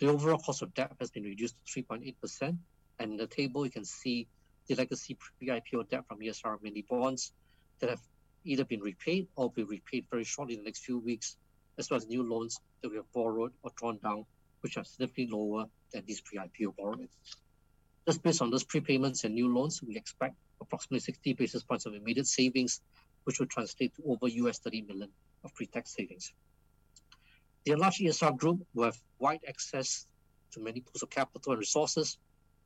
The overall cost of debt has been reduced to 3.8%, and in the table you can see the legacy pre-IPO debt from ESR mini bonds that have either been repaid or will be repaid very shortly in the next few weeks, as well as new loans that we have borrowed or drawn down, which are significantly lower than these pre-IPO borrowings. Just based on those prepayments and new loans, we expect approximately 60 basis points of immediate savings, which will translate to over $30 million of pre-tax savings. The enlarged ESR Group will have wide access to many pools of capital and resources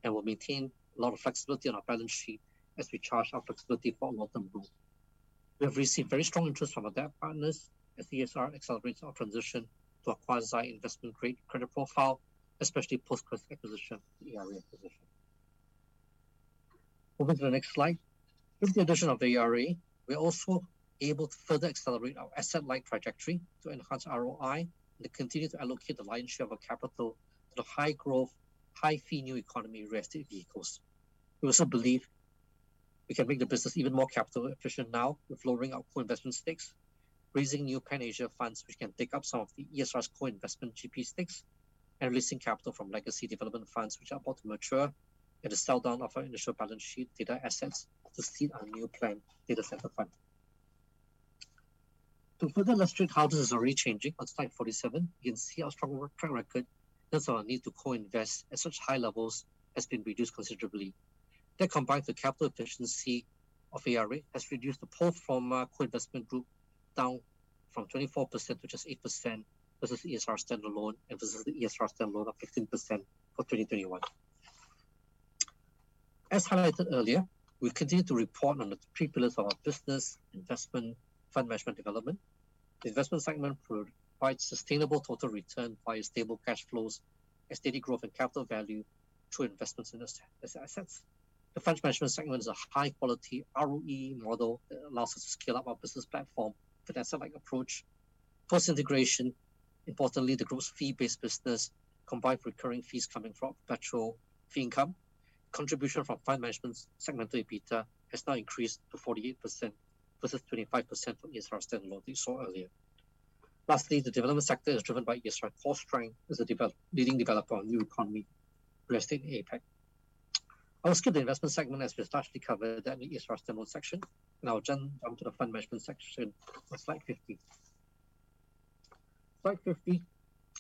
and will maintain a lot of flexibility on our balance sheet as we leverage our flexibility for long-term growth. We have received very strong interest from our debt partners as ESR accelerates our transition to a quasi investment-grade credit profile, especially post acquisition, the ARA acquisition. Moving to the next slide. With the addition of the ARA, we are also able to further accelerate our asset light trajectory to enhance ROI and continue to allocate the lion's share of our capital to the high growth, high fee new economy real estate vehicles. We also believe we can make the business even more capital efficient now with lowering our core investment stakes, raising new Pan-Asia funds which can take up some of the ESR's core investment GP stakes, and releasing capital from legacy development funds which are about to mature, and a sell-down of our initial balance sheet data assets to seed our new planned data center fund. To further illustrate how this is already changing, on Slide 47, you can see our strong track record, hence our need to co-invest at such high levels has been reduced considerably. That combined with the capital efficiency of ARA has reduced the pro forma co-investment group down from 24% to just 8% versus ESR standalone and versus the ESR standalone of 15% for 2021. As highlighted earlier, we continue to report on the three pillars of our business, investment, fund management development. The investment segment provide sustainable total return via stable cash flows and steady growth in capital value through investments in assets. The fund management segment is a high-quality ROE model that allows us to scale up our business platform with asset-light approach. Post integration, importantly, the group's fee-based business combined recurring fees coming from perpetual fee income. Contribution from fund management segment EBITDA has now increased to 48% versus 25% from ESR standalone that you saw earlier. The development sector is driven by ESR's core strength as a leading developer of new economy real estate in APAC. I'll skip the investment segment as we've largely covered that in the ESR standalone section, and I'll jump to the fund management section on Slide 50. Slide 50,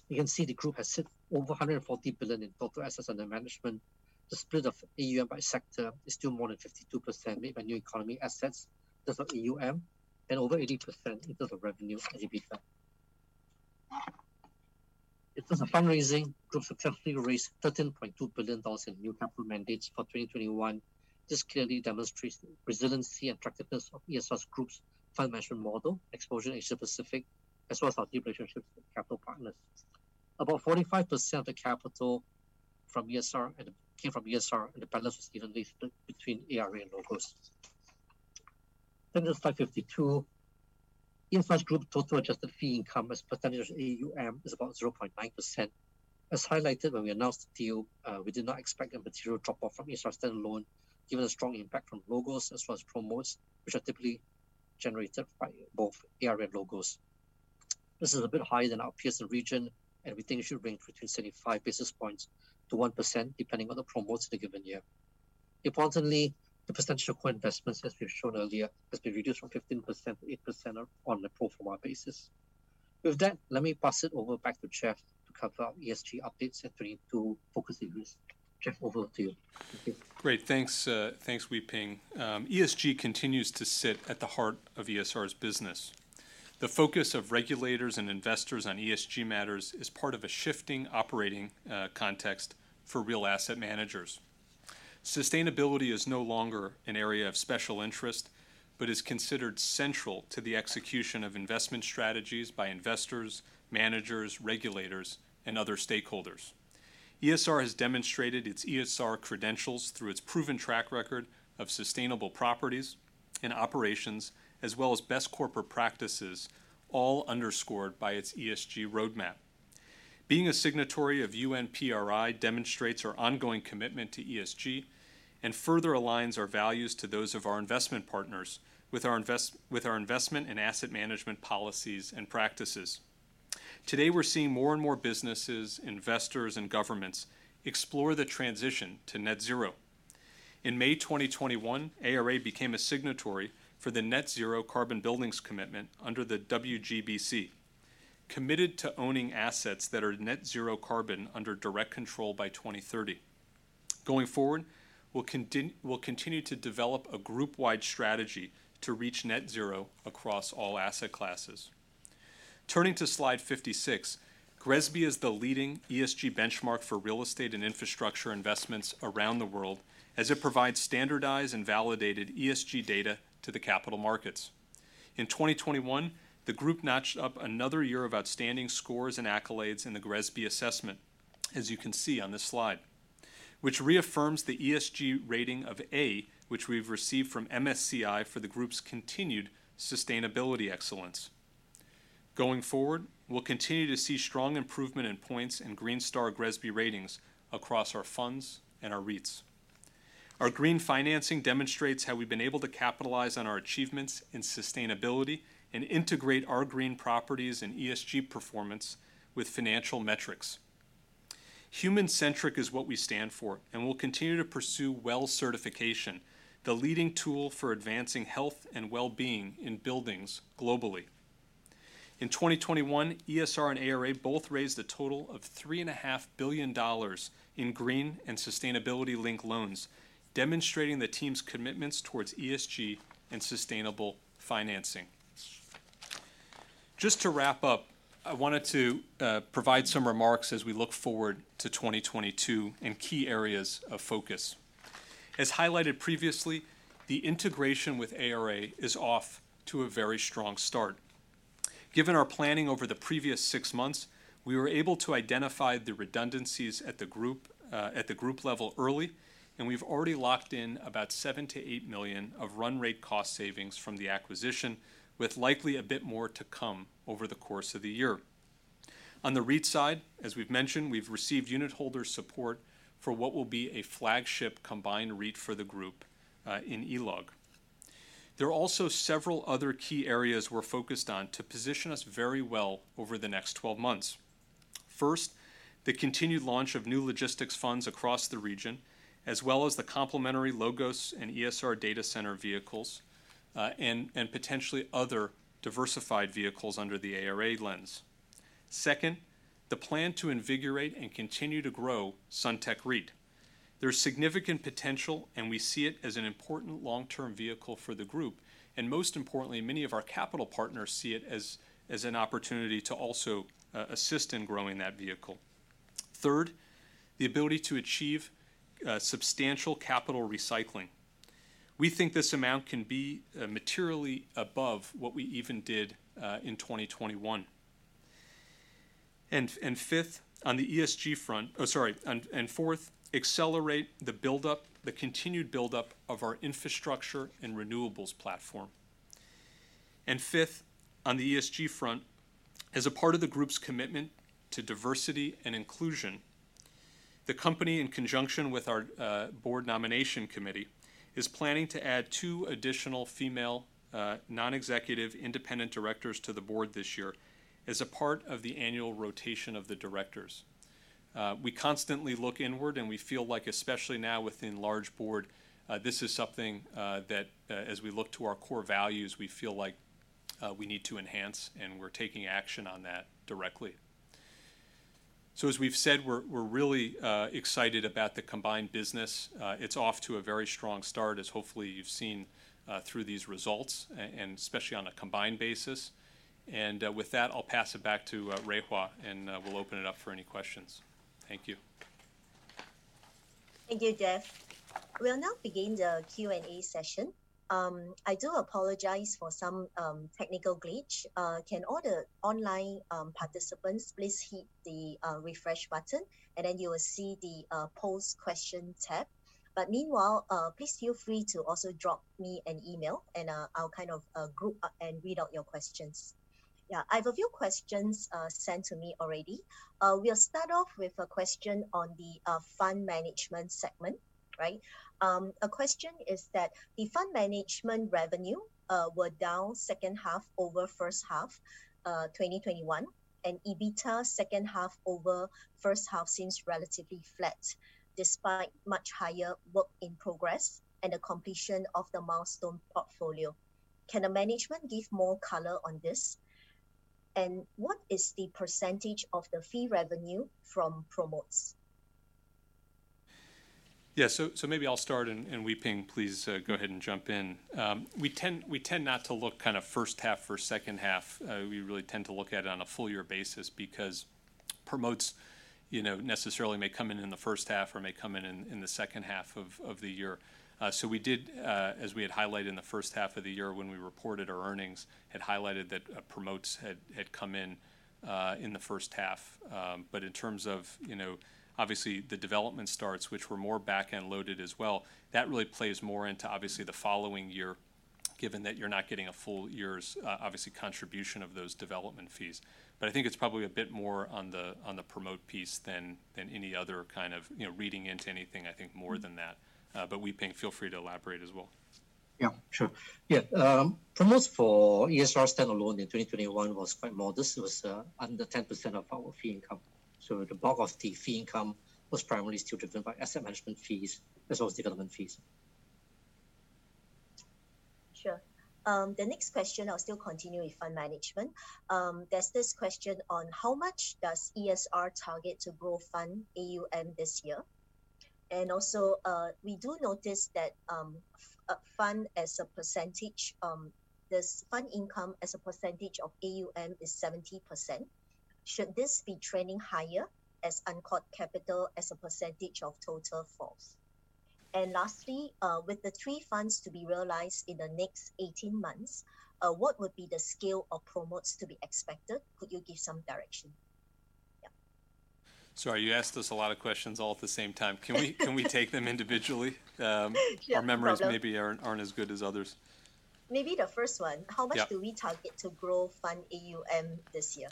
you can see the group has hit over $140 billion in total assets under management. The split of AUM by sector is still more than 52% made by new economy assets. That's our AUM, and over 80% in terms of revenue and EBITDA. In terms of fundraising, group has successfully raised $13.2 billion in new capital mandates for 2021. This clearly demonstrates the resiliency and attractiveness of ESR Group's fund management model, exposure in Asia-Pacific, as well as our deep relationships with capital partners. About 45% of the capital from ESR came from ESR, and the balance was evenly split between ARA and LOGOS. There's Slide 52. In the group total adjusted fee income as percentage of AUM is about 0.9%. As highlighted when we announced the deal, we did not expect a material drop-off from ESR standalone, given the strong impact from LOGOS as well as promotes, which are typically generated by both ARA and LOGOS. This is a bit higher than our peers in the region, and we think it should range between 75 basis points to 1% depending on the promotes in a given year. Importantly, the percentage of core investments, as we have shown earlier, has been reduced from 15%-8% on a pro forma basis. With that, let me pass it over back to Jeff to cover our ESG updates and three to two focus areas. Jeff, over to you. Thank you. Great. Thanks, Wee Peng. ESG continues to sit at the heart of ESR's business. The focus of regulators and investors on ESG matters is part of a shifting operating context for real asset managers. Sustainability is no longer an area of special interest, but is considered central to the execution of investment strategies by investors, managers, regulators, and other stakeholders. ESR has demonstrated its ESG credentials through its proven track record of sustainable properties and operations, as well as best corporate practices, all underscored by its ESG roadmap. Being a signatory of UNPRI demonstrates our ongoing commitment to ESG and further aligns our values to those of our investment partners with our investment and asset management policies and practices. Today, we're seeing more and more businesses, investors, and governments explore the transition to net zero. In May 2021, ARA became a signatory for the Net Zero Carbon Buildings Commitment under WGBC, committed to owning assets that are net zero carbon under direct control by 2030. Going forward, we'll continue to develop a group-wide strategy to reach net zero across all asset classes. Turning to Slide 56, GRESB is the leading ESG benchmark for real estate and infrastructure investments around the world as it provides standardized and validated ESG data to the capital markets. In 2021, the group notched up another year of outstanding scores and accolades in the GRESB assessment, as you can see on this slide, which reaffirms the ESG rating of A which we've received from MSCI for the group's continued sustainability excellence. Going forward, we'll continue to see strong improvement in points and green star GRESB ratings across our funds and our REITs. Our green financing demonstrates how we've been able to capitalize on our achievements in sustainability and integrate our green properties and ESG performance with financial metrics. Human-centric is what we stand for, and we'll continue to pursue WELL certification, the leading tool for advancing health and wellbeing in buildings globally. In 2021, ESR and ARA both raised a total of $3.5 billion in green and sustainability-linked loans, demonstrating the team's commitments towards ESG and sustainable financing. Just to wrap up, I wanted to provide some remarks as we look forward to 2022 in key areas of focus. As highlighted previously, the integration with ARA is off to a very strong start. Given our planning over the previous six months, we were able to identify the redundancies at the group level early, and we've already locked in about $7 million-$8 million of run rate cost savings from the acquisition, with likely a bit more to come over the course of the year. On the REIT side, as we've mentioned, we've received unitholder support for what will be a flagship combined REIT for the group in E-LOG. There are also several other key areas we're focused on to position us very well over the next 12 months. First, the continued launch of new logistics funds across the region, as well as the complementary LOGOS and ESR data center vehicles, and potentially other diversified vehicles under the ARA lens. Second, the plan to invigorate and continue to grow Suntec REIT. There's significant potential, and we see it as an important long-term vehicle for the group, and most importantly, many of our capital partners see it as an opportunity to also assist in growing that vehicle. Third, the ability to achieve substantial capital recycling. We think this amount can be materially above what we even did in 2021. Fourth, accelerate the buildup, the continued buildup of our infrastructure and renewables platform. Fifth, on the ESG front, as a part of the group's commitment to diversity and inclusion, the company, in conjunction with our board nomination committee, is planning to add two additional female non-executive independent directors to the board this year as a part of the annual rotation of the directors. We constantly look inward, and we feel like especially now within our board, this is something that, as we look to our core values, we feel like we need to enhance, and we're taking action on that directly. So as we've said, we're really excited about the combined business. It's off to a very strong start as hopefully you've seen through these results and especially on a combined basis. With that, I'll pass it back to Chang Rui Hua, and we'll open it up for any questions. Thank you. Thank you, Jeff. We'll now begin the Q&A session. I do apologize for some technical glitch. Can all the online participants please hit the refresh button, and then you will see the post question tab. But meanwhile, please feel free to also drop me an email and I'll kind of group up and read out your questions. Yeah. I have a few questions sent to me already. We'll start off with a question on the fund management segment, right? A question is that the fund management revenue were down second half over first half 2021, and EBITDA second half over first half seems relatively flat despite much higher work in progress and the completion of the Milestone portfolio. Can the management give more color on this? What is the percentage of the fee revenue from promotes? Yeah. Maybe I'll start and Wee Peng, please, go ahead and jump in. We tend not to look kind of first half versus second half. We really tend to look at it on a full year basis because promotes, you know, necessarily may come in the first half or may come in the second half of the year. We did, as we had highlighted in the first half of the year when we reported our earnings, that promotes had come in the first half. In terms of, you know, obviously the development starts, which were more back-end loaded as well, that really plays more into obviously the following year given that you're not getting a full year's obviously contribution of those development fees. I think it's probably a bit more on the promote piece than any other kind of, you know, reading into anything. I think more than that. Wee Peng Cho, feel free to elaborate as well. Yeah, sure. Yeah. Promotes for ESR standalone in 2021 was quite modest. It was under 10% of our fee income. The bulk of the fee income was primarily still driven by asset management fees as well as development fees. Sure. The next question, I'll still continue with fund management. There's this question on how much does ESR target to grow fund AUM this year? And also, we do notice that, fund as a percentage, this fund income as a percentage of AUM is 70%. Should this be trending higher as uncalled capital as a percentage of total falls? And lastly, with the three funds to be realized in the next 18 months, what would be the scale of promotes to be expected? Could you give some direction? Yeah. Sorry, you asked us a lot of questions all at the same time. Can we take them individually? Sure. No problem. Our memories maybe aren't as good as others. Maybe the first one. Yeah. How much do we target to grow fund AUM this year?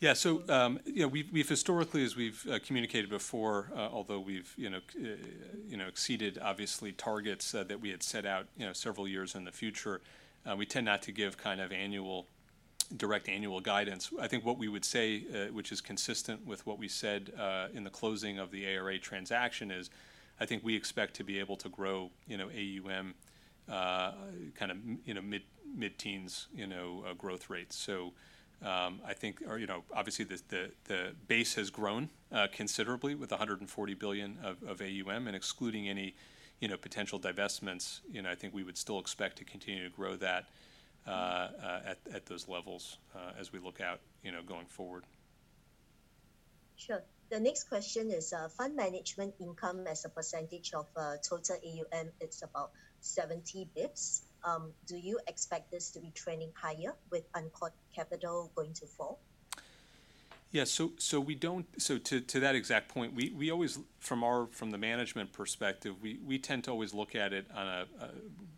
Yeah. You know, we've historically, as we've communicated before, although we've you know exceeded obviously targets that we had set out you know several years in the future, we tend not to give kind of annual, direct annual guidance. I think what we would say, which is consistent with what we said in the closing of the ARA transaction is, I think we expect to be able to grow you know AUM kind of mid-teens you know growth rates. I think, you know, obviously the base has grown considerably with $140 billion of AUM, and excluding any, you know, potential divestments, you know, I think we would still expect to continue to grow that at those levels as we look out, you know, going forward. Sure. The next question is, fund management income as a percentage of total AUM, it's about 70 bps. Do you expect this to be trending higher with uncalled capital going to fall? To that exact point, we always from the management perspective tend to always look at it on a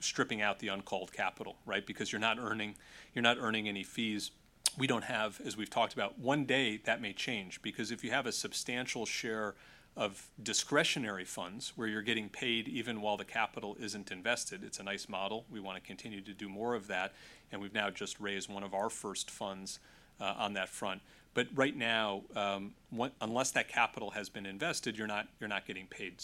stripping out the uncalled capital, right? Because you're not earning any fees. We don't have, as we've talked about. One day, that may change because if you have a substantial share of discretionary funds where you're getting paid even while the capital isn't invested, it's a nice model. We wanna continue to do more of that, and we've now just raised one of our first funds on that front. But right now, unless that capital has been invested, you're not getting paid.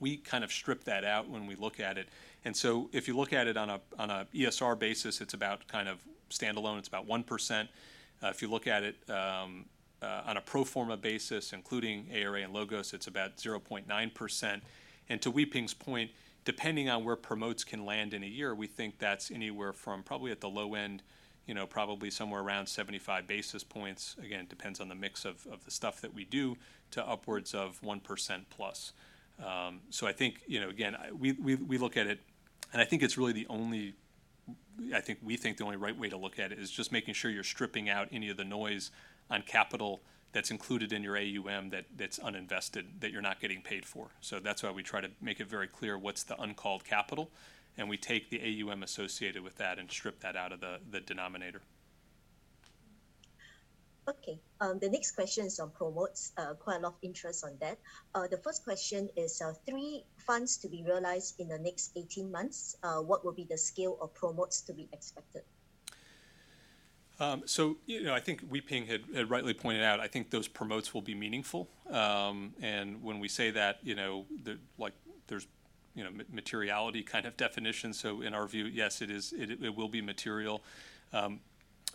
We kind of strip that out when we look at it. If you look at it on a ESR basis, it's about kind of standalone. It's about 1%. If you look at it on a pro forma basis, including ARA and LOGOS, it's about 0.9%. To Wee Peng's point, depending on where promotes can land in a year, we think that's anywhere from probably at the low end, you know, probably somewhere around 75 basis points, again, depends on the mix of the stuff that we do, to upwards of 1% plus. I think, you know, again, we look at it, and I think it's really the only right way to look at it is just making sure you're stripping out any of the noise on capital that's included in your AUM that's uninvested, that you're not getting paid for. That's why we try to make it very clear what's the uncalled capital, and we take the AUM associated with that and strip that out of the denominator. Okay. The next question is on promotes. Quite a lot of interest on that. The first question is, three funds to be realized in the next 18 months, what will be the scale of promotes to be expected? You know, I think Wee Peng had rightly pointed out, I think those promotes will be meaningful. When we say that, you know, like there's, you know, materiality kind of definition. In our view, yes, it is, it will be material.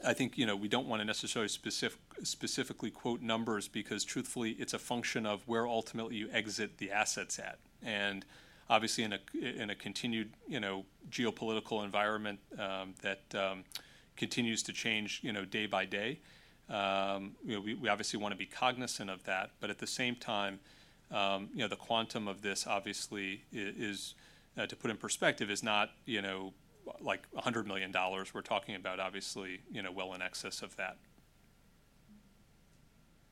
I think, you know, we don't wanna necessarily specifically quote numbers because truthfully, it's a function of where ultimately you exit the assets at. Obviously in a continued, you know, geopolitical environment, that continues to change, you know, day by day, you know, we obviously wanna be cognizant of that. At the same time, you know, the quantum of this obviously is, to put in perspective, is not, you know, like $100 million. We're talking about obviously, you know, well in excess of that.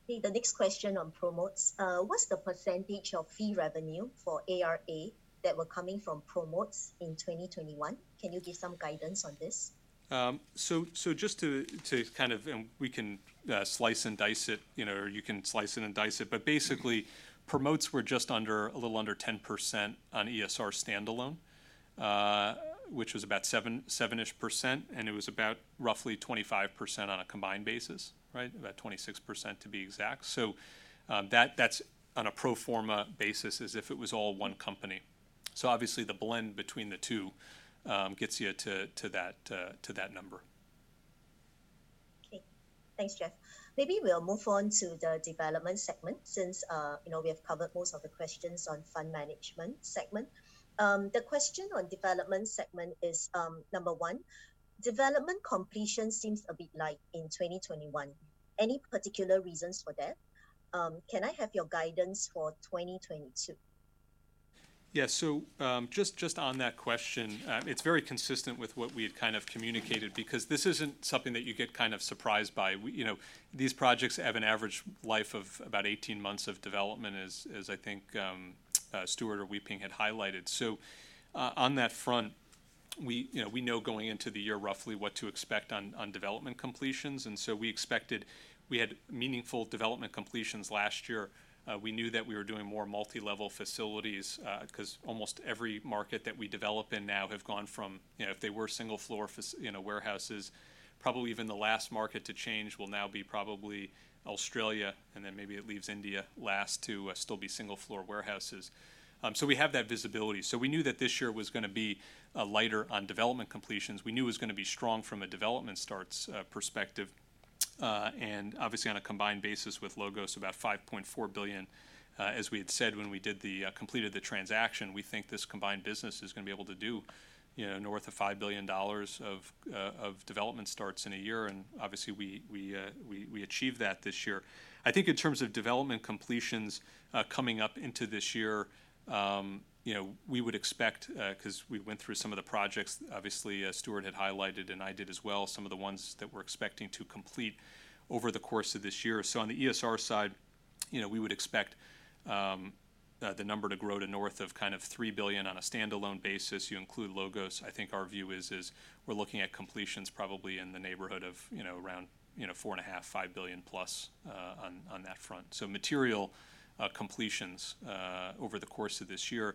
Okay. The next question on promotes. What's the percentage of fee revenue for ARA that were coming from promotes in 2021? Can you give some guidance on this? Just to kind of, we can slice and dice it, you know, or you can slice it and dice it. Basically, promotes were just under, a little under 10% on ESR standalone, which was about 7%-ish, and it was about roughly 25% on a combined basis, right? About 26% to be exact. That's on a pro forma basis as if it was all one company. Obviously the blend between the two gets you to that number. Okay. Thanks, Jeff. Maybe we'll move on to the development segment since you know, we have covered most of the questions on fund management segment. The question on development segment is number one, development completion seems a bit light in 2021. Any particular reasons for that? Can I have your guidance for 2022? Yeah. Just on that question, it's very consistent with what we had kind of communicated because this isn't something that you get kind of surprised by. We know these projects have an average life of about 18 months of development, as I think Stuart or Wee Peng had highlighted. On that front, we know going into the year roughly what to expect on development completions. We expected. We had meaningful development completions last year. We knew that we were doing more multi-level facilities, 'cause almost every market that we develop in now have gone from, you know, if they were single floor warehouses, probably even the last market to change will now be probably Australia, and then maybe it leaves India last to still be single floor warehouses. We have that visibility. We knew that this year was gonna be lighter on development completions. We knew it was gonna be strong from a development starts perspective. Obviously on a combined basis with LOGOS, about $5.4 billion, as we had said when we did the completed the transaction. We think this combined business is gonna be able to do, you know, north of $5 billion of development starts in a year. Obviously we achieved that this year. I think in terms of development completions coming up into this year, you know, we would expect, 'cause we went through some of the projects, obviously as Stuart had highlighted and I did as well, some of the ones that we're expecting to complete over the course of this year. On the ESR side, you know, we would expect the number to grow to north of kind of $3 billion on a standalone basis. You include LOGOS, I think our view is we're looking at completions probably in the neighborhood of, you know, around $4.5billion-$5 billion plus on that front. Material completions over the course of this year.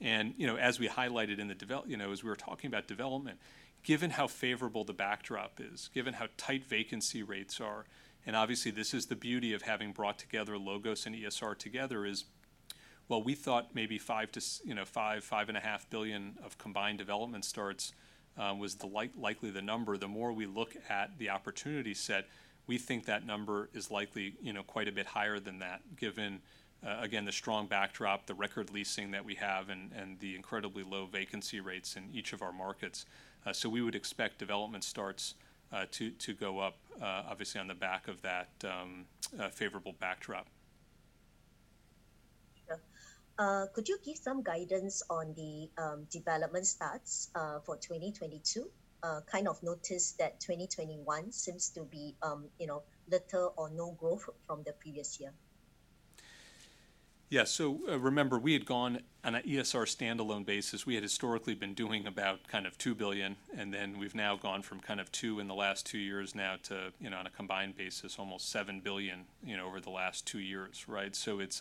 You know, as we highlighted, you know, as we were talking about development, given how favorable the backdrop is, given how tight vacancy rates are, and obviously this is the beauty of having brought together LOGOS and ESR together, while we thought maybe $5billion-$5.5 billion of combined development starts was likely the number, the more we look at the opportunity set, we think that number is likely, you know, quite a bit higher than that, given again the strong backdrop, the record leasing that we have and the incredibly low vacancy rates in each of our markets. We would expect development starts to go up obviously on the back of that favorable backdrop. Sure. Could you give some guidance on the development starts for 2022? Kind of noticed that 2021 seems to be, you know, little or no growth from the previous year. Remember, we had gone on a ESR standalone basis. We had historically been doing about kind of $2 billion, and then we've now gone from kind of $2 billion in the last two years to, you know, on a combined basis, almost $7 billion, you know, over the last two years, right? It's,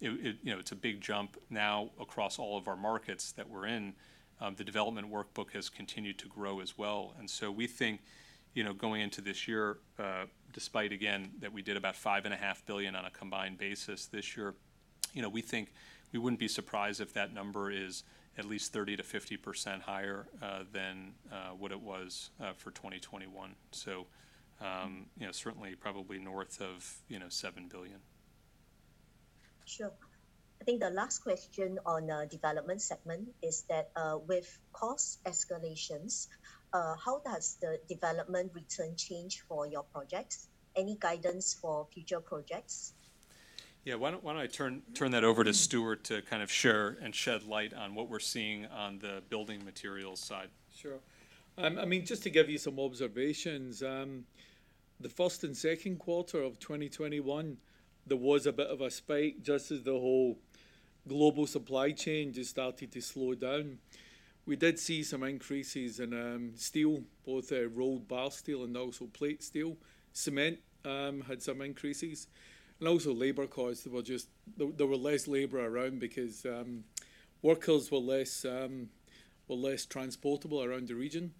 you know, a big jump now across all of our markets that we're in. The development workbook has continued to grow as well. We think, you know, going into this year, despite again that we did about $5.5 billion on a combined basis this year, you know, we think we wouldn't be surprised if that number is at least 30%-50% higher than what it was for 2021. You know, certainly probably north of, you know, $7 billion. Sure. I think the last question on the development segment is that, with cost escalations, how does the development return change for your projects? Any guidance for future projects? Yeah. Why don't I turn that over to Stuart to kind of share and shed light on what we're seeing on the building materials side. Sure. I mean, just to give you some observations, the first and second quarter of 2021, there was a bit of a spike just as the whole global supply chain just started to slow down. We did see some increases in steel, both rolled bar steel and also plate steel. Cement had some increases. And also labor costs were just there were less labor around because workers were less transportable around the region.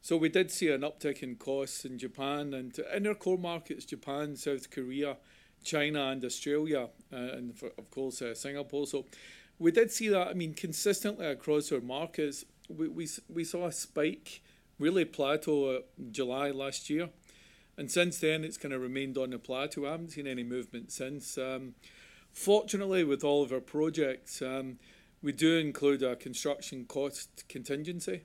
So we did see an uptick in costs in Japan and in our core markets, Japan, South Korea, China and Australia, and for, of course, Singapore. So we did see that, I mean, consistently across our markets. We saw a spike really plateau July last year. Since then, it's kind of remained on a plateau. I haven't seen any movement since. Fortunately, with all of our projects, we do include a construction cost contingency,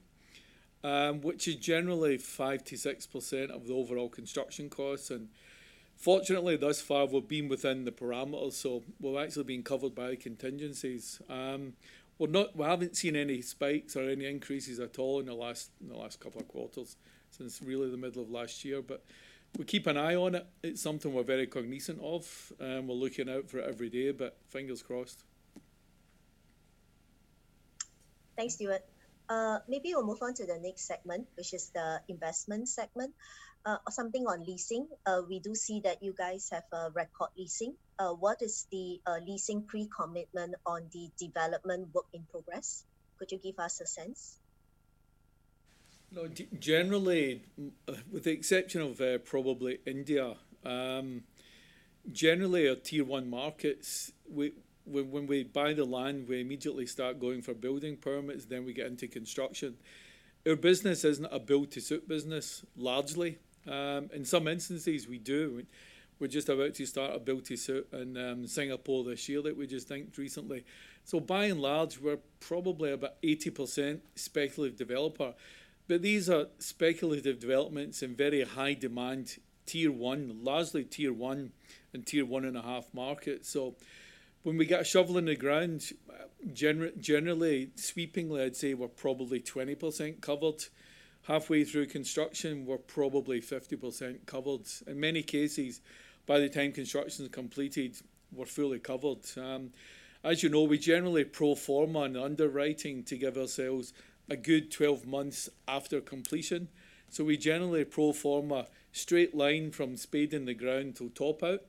which is generally 5%-6% of the overall construction costs. Fortunately, thus far, we've been within the parameters. We've actually been covered by contingencies. We haven't seen any spikes or any increases at all in the last couple of quarters since really the middle of last year, but we keep an eye on it. It's something we're very cognizant of, and we're looking out for it every day, but fingers crossed. Thanks, Stuart. Maybe we'll move on to the next segment, which is the investment segment. Something on leasing. We do see that you guys have record leasing. What is the leasing pre-commitment on the development work in progress? Could you give us a sense? No, generally, with the exception of probably India, generally our tier one markets, we, when we buy the land, we immediately start going for building permits, then we get into construction. Our business isn't a build to suit business, largely. In some instances we do. We're just about to start a build to suit in Singapore this year that we just inked recently. By and large, we're probably about 80% speculative developer. These are speculative developments in very high demand tier one, largely tier one and tier one and a half markets. When we get a shovel in the ground, generally, sweepingly, I'd say we're probably 20% covered. Halfway through construction, we're probably 50% covered. In many cases, by the time construction's completed, we're fully covered. As you know, we generally pro forma an underwriting to give ourselves a good 12 months after completion. We generally pro forma straight line from spade in the ground till top-out,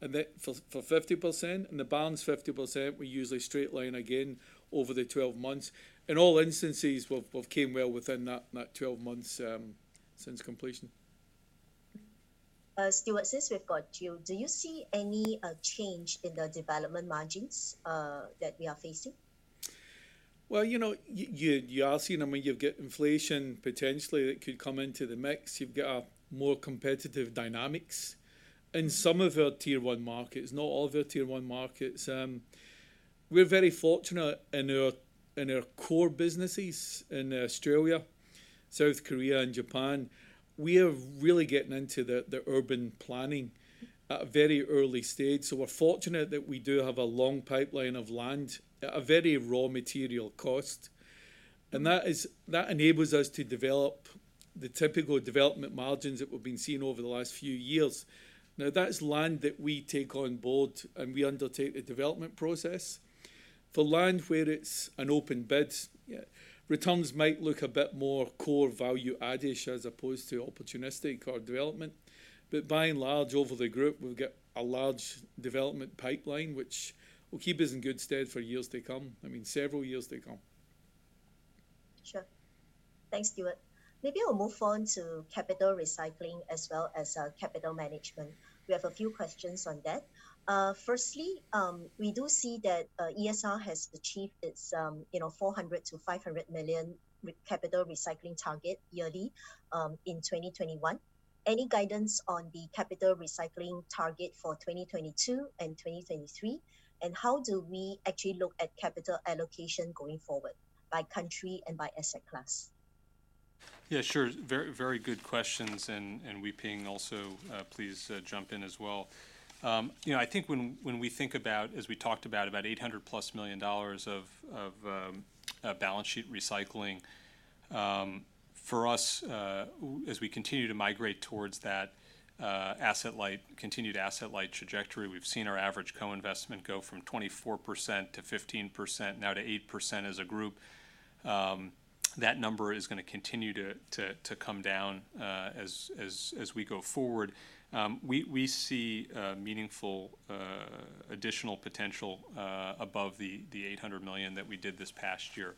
and for 50%. The balance 50%, we usually straight line again over the 12 months. In all instances, we've come well within that 12 months since completion. Stuart, since we've got you, do you see any change in the development margins that we are facing? Well, you know, you are seeing, I mean, you've got inflation potentially that could come into the mix. You've got more competitive dynamics in some of our Tier 1 markets, not all of our Tier 1 markets. We're very fortunate in our core businesses in Australia, South Korea, and Japan. We are really getting into the urban planning at a very early stage. So we're fortunate that we do have a long pipeline of land at a very raw material cost. And that enables us to develop the typical development margins that we've been seeing over the last few years. Now, that's land that we take on board, and we undertake the development process. For land where it's an open bid, returns might look a bit more core value add-ish as opposed to opportunistic or development. By and large, over the group, we've got a large development pipeline which will keep us in good stead for years to come. I mean, several years to come. Sure. Thanks, Stuart. Maybe I'll move on to capital recycling as well as capital management. We have a few questions on that. Firstly, we do see that ESR has achieved its, you know, $400 million-$500 million capital recycling target yearly in 2021. Any guidance on the capital recycling target for 2022 and 2023? And how do we actually look at capital allocation going forward, by country and by asset class? Yeah, sure. Very, very good questions. Wee Peng also, please, jump in as well. You know, I think when we think about, as we talked about $800+ million of balance sheet recycling, for us, as we continue to migrate towards that asset light, continued asset light trajectory, we've seen our average co-investment go from 24%-15%, now to 8% as a group. That number is gonna continue to come down, as we go forward. We see meaningful additional potential above the $800 million that we did this past year.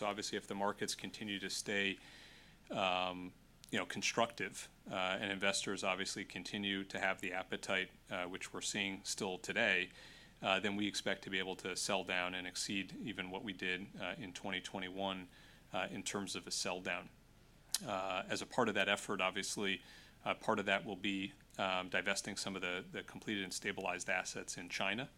Obviously, if the markets continue to stay, you know, constructive, and investors obviously continue to have the appetite, which we're seeing still today, then we expect to be able to sell down and exceed even what we did in 2021 in terms of a sell down. As a part of that effort, obviously, part of that will be divesting some of the completed and stabilized assets in China.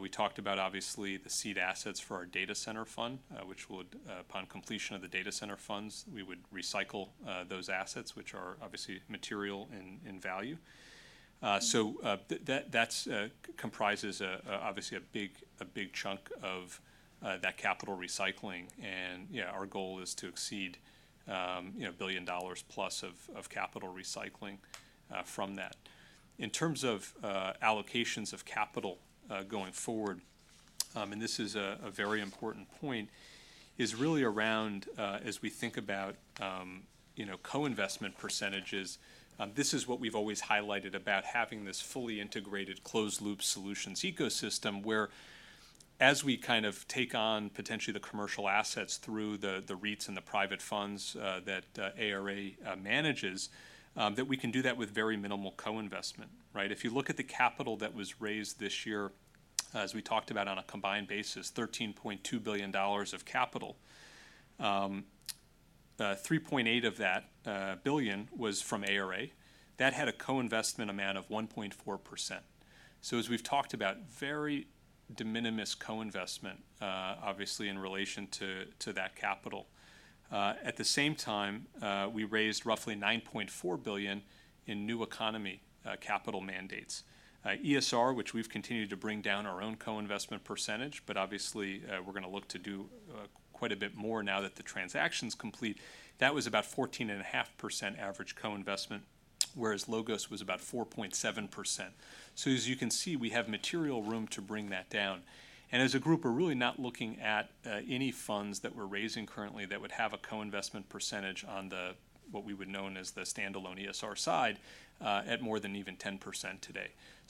We talked about, obviously, the seed assets for our data center fund, which would, upon completion of the data center funds, we would recycle those assets, which are obviously material in value. That comprises, obviously, a big chunk of that capital recycling. Yeah, our goal is to exceed, you know, $1+ billion of capital recycling from that. In terms of allocations of capital going forward, and this is a very important point, is really around, as we think about, you know, co-investment percentages. This is what we've always highlighted about having this fully integrated closed loop solutions ecosystem, where as we kind of take on potentially the commercial assets through the REITs and the private funds that ARA manages, that we can do that with very minimal co-investment, right? If you look at the capital that was raised this year, as we talked about on a combined basis, $13.2 billion of capital. $3.8 billion of that was from ARA. That had a co-investment amount of 1.4%. As we've talked about, very de minimis co-investment, obviously in relation to that capital. At the same time, we raised roughly $9.4 billion in new economy capital mandates. ESR, which we've continued to bring down our own co-investment percentage, but obviously, we're gonna look to do quite a bit more now that the transaction's complete. That was about 14.5% average co-investment, whereas LOGOS was about 4.7%. As you can see, we have material room to bring that down. As a group, we're really not looking at any funds that we're raising currently that would have a co-investment percentage on the, what we would know as the standalone ESR side, at more than even 10% today.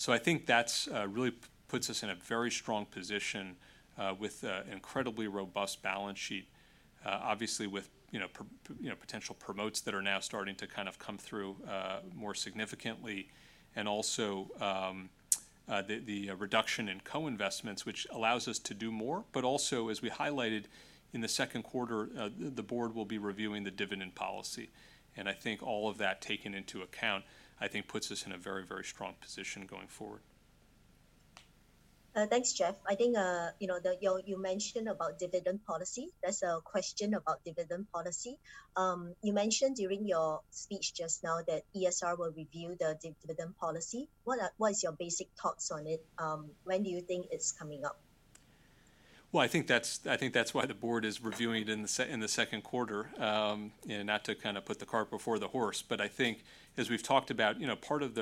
I think that's really puts us in a very strong position with an incredibly robust balance sheet. Obviously with, you know, potential promotes that are now starting to kind of come through more significantly. The reduction in co-investments, which allows us to do more. As we highlighted in the second quarter, the board will be reviewing the dividend policy. I think all of that taken into account, I think, puts us in a very, very strong position going forward. Thanks, Jeff. I think you know you mentioned about dividend policy. There's a question about dividend policy. You mentioned during your speech just now that ESR will review the dividend policy. What is your basic thoughts on it? When do you think it's coming up? Well, I think that's why the board is reviewing it in the second quarter. You know, not to kinda put the cart before the horse. I think as we've talked about, you know, part of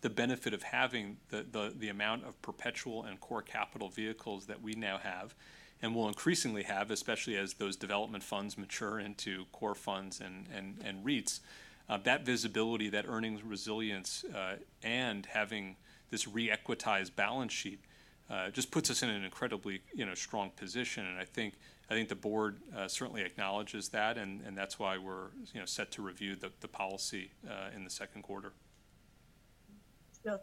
the benefit of having the amount of perpetual and core capital vehicles that we now have and will increasingly have, especially as those development funds mature into core funds and REITs, that visibility, that earnings resilience, and having this re-equitized balance sheet, just puts us in an incredibly, you know, strong position. I think the board certainly acknowledges that and that's why we're, you know, set to review the policy in the second quarter.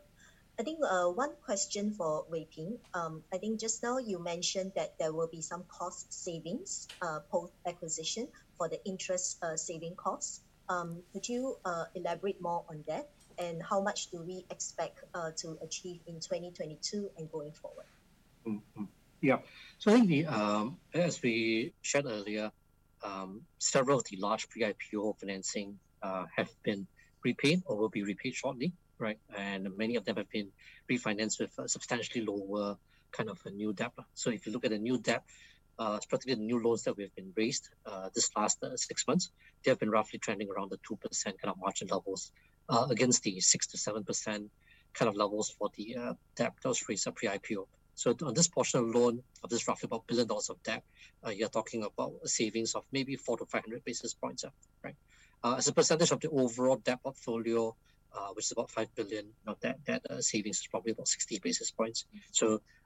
I think one question for Wee Peng. I think just now you mentioned that there will be some cost savings post-acquisition for the interest saving costs. Could you elaborate more on that? How much do we expect to achieve in 2022 and going forward? I think as we shared earlier, several of the large pre-IPO financing have been repaid or will be repaid shortly, right? Many of them have been refinanced with a substantially lower kind of a new debt. If you look at the new debt, particularly the new loans that we have raised, this last six months, they have been roughly trending around the 2% kind of margin levels, against the 6%-7% kind of levels for the debt. Those rates are Pre-IPO. On this portion of loan of this roughly about $1 billion of debt, you're talking about savings of maybe 400-500 basis points, right? As a percentage of the overall debt portfolio, which is about $5 billion of debt, that savings is probably about 60 basis points.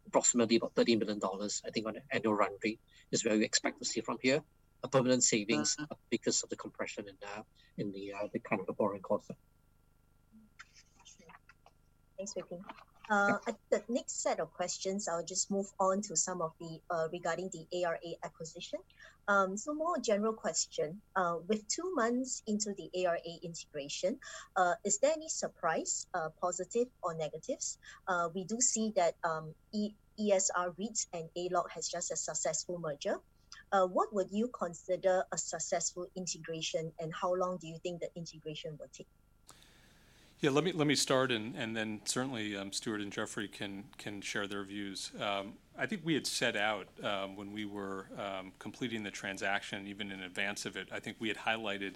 Approximately about $30 million I think on an annual run rate is where we expect to see from here a permanent savings. Uh- because of the compression in the kind of borrowing costs. Sure. Thanks, Wee Peng. The next set of questions, I'll just move on to some of the regarding the ARA acquisition. So more general question. With two months into the ARA integration, is there any surprises, positive or negative? We do see that, ESR-REIT and ARA LOGOS has just had a successful merger. What would you consider a successful integration, and how long do you think the integration will take? Yeah, let me start and then certainly Stuart and Jeffrey can share their views. I think we had set out when we were completing the transaction, even in advance of it, I think we had highlighted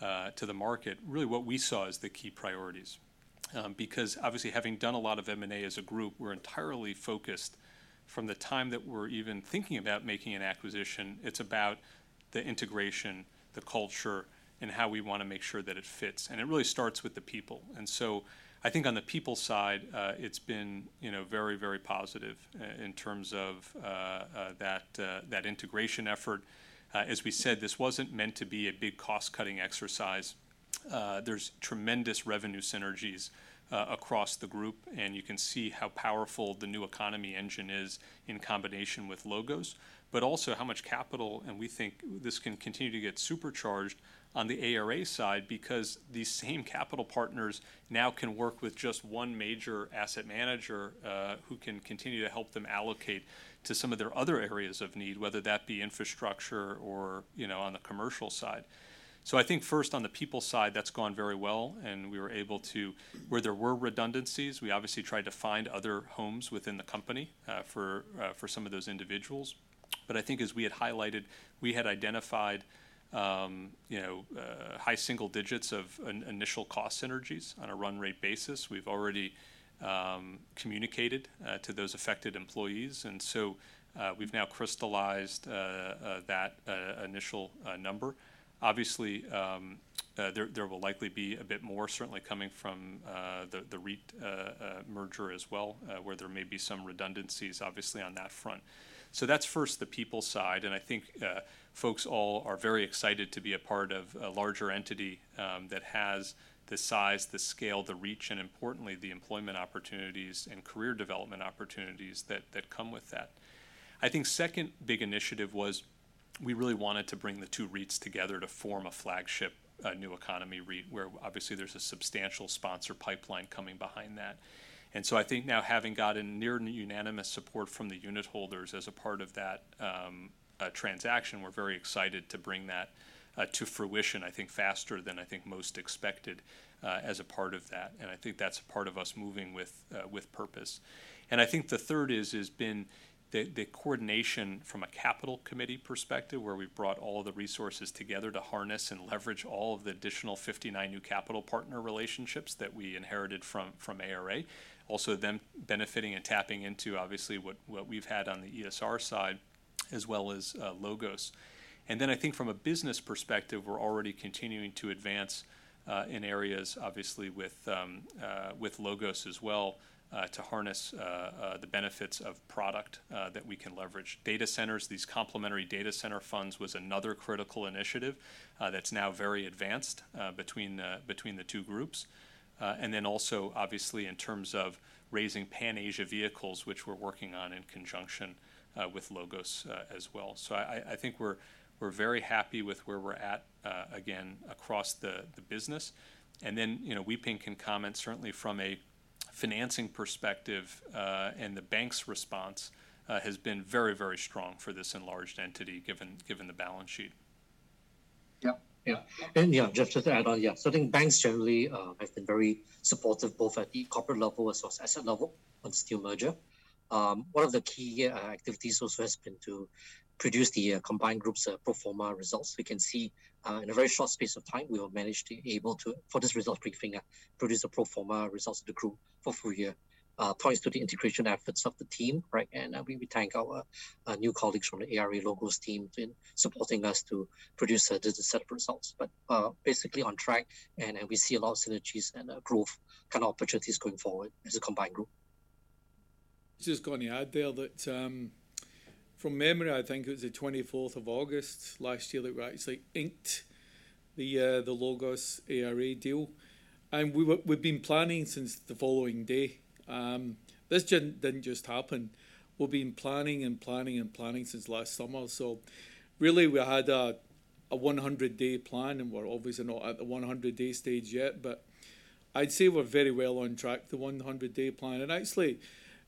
to the market really what we saw as the key priorities. Because obviously having done a lot of M&A as a group, we're entirely focused from the time that we're even thinking about making an acquisition, it's about the integration, the culture, and how we wanna make sure that it fits. It really starts with the people. I think on the people side, it's been, you know, very positive in terms of that integration effort. As we said, this wasn't meant to be a big cost-cutting exercise. There's tremendous revenue synergies across the group, and you can see how powerful the new economy engine is in combination with LOGOS. Also how much capital, and we think this can continue to get supercharged on the ARA side because these same capital partners now can work with just one major asset manager, who can continue to help them allocate to some of their other areas of need, whether that be infrastructure or, you know, on the commercial side. I think first on the people side, that's gone very well and we were able to. Where there were redundancies, we obviously tried to find other homes within the company for some of those individuals. I think as we had highlighted, we had identified high single digits of initial cost synergies on a run rate basis. We've already communicated to those affected employees. We've now crystallized that initial number. Obviously, there will likely be a bit more certainly coming from the REIT merger as well, where there may be some redundancies obviously on that front. That's first the people side, and I think, folks all are very excited to be a part of a larger entity that has the size, the scale, the reach, and importantly, the employment opportunities and career development opportunities that come with that. I think second big initiative was we really wanted to bring the two REITs together to form a flagship new economy REIT, where obviously there's a substantial sponsor pipeline coming behind that. I think now having gotten near unanimous support from the unitholders as a part of that transaction, we're very excited to bring that to fruition, I think faster than I think most expected, as a part of that. I think that's part of us moving with purpose. I think the third has been the coordination from a capital committee perspective, where we've brought all the resources together to harness and leverage all of the additional 59 new capital partner relationships that we inherited from ARA, also them benefiting and tapping into obviously what we've had on the ESR side as well as LOGOS. I think from a business perspective, we're already continuing to advance in areas obviously with LOGOS as well to harness the benefits of product that we can leverage. Data centers, these complementary data center funds was another critical initiative that's now very advanced between the two groups. Also obviously in terms of raising Pan-Asia vehicles, which we're working on in conjunction with LOGOS as well. I think we're very happy with where we're at again across the business. You know, Wee Peng can comment certainly from a financing perspective, and the bank's response has been very, very strong for this enlarged entity given the balance sheet. Just to add on, I think banks generally have been very supportive both at the corporate level as well as asset level on the merger. One of the key activities also has been to produce the combined group's pro forma results. We can see in a very short space of time, we have been able to, for this result briefing, produce pro forma results of the group for full year, points to the integration efforts of the team, right? We thank our new colleagues from the ARA LOGOS team for supporting us to produce the set of results. Basically on track and we see a lot of synergies and growth kind of opportunities going forward as a combined group. Just gonna add there that, from memory, I think it was the 24th of August last year that we actually inked the LOGOS ARA deal. We've been planning since the following day. This didn't just happen. We've been planning since last summer. Really we had a 100-day plan, and we're obviously not at the 100-day stage yet, but I'd say we're very well on track, the 100-day plan. Actually,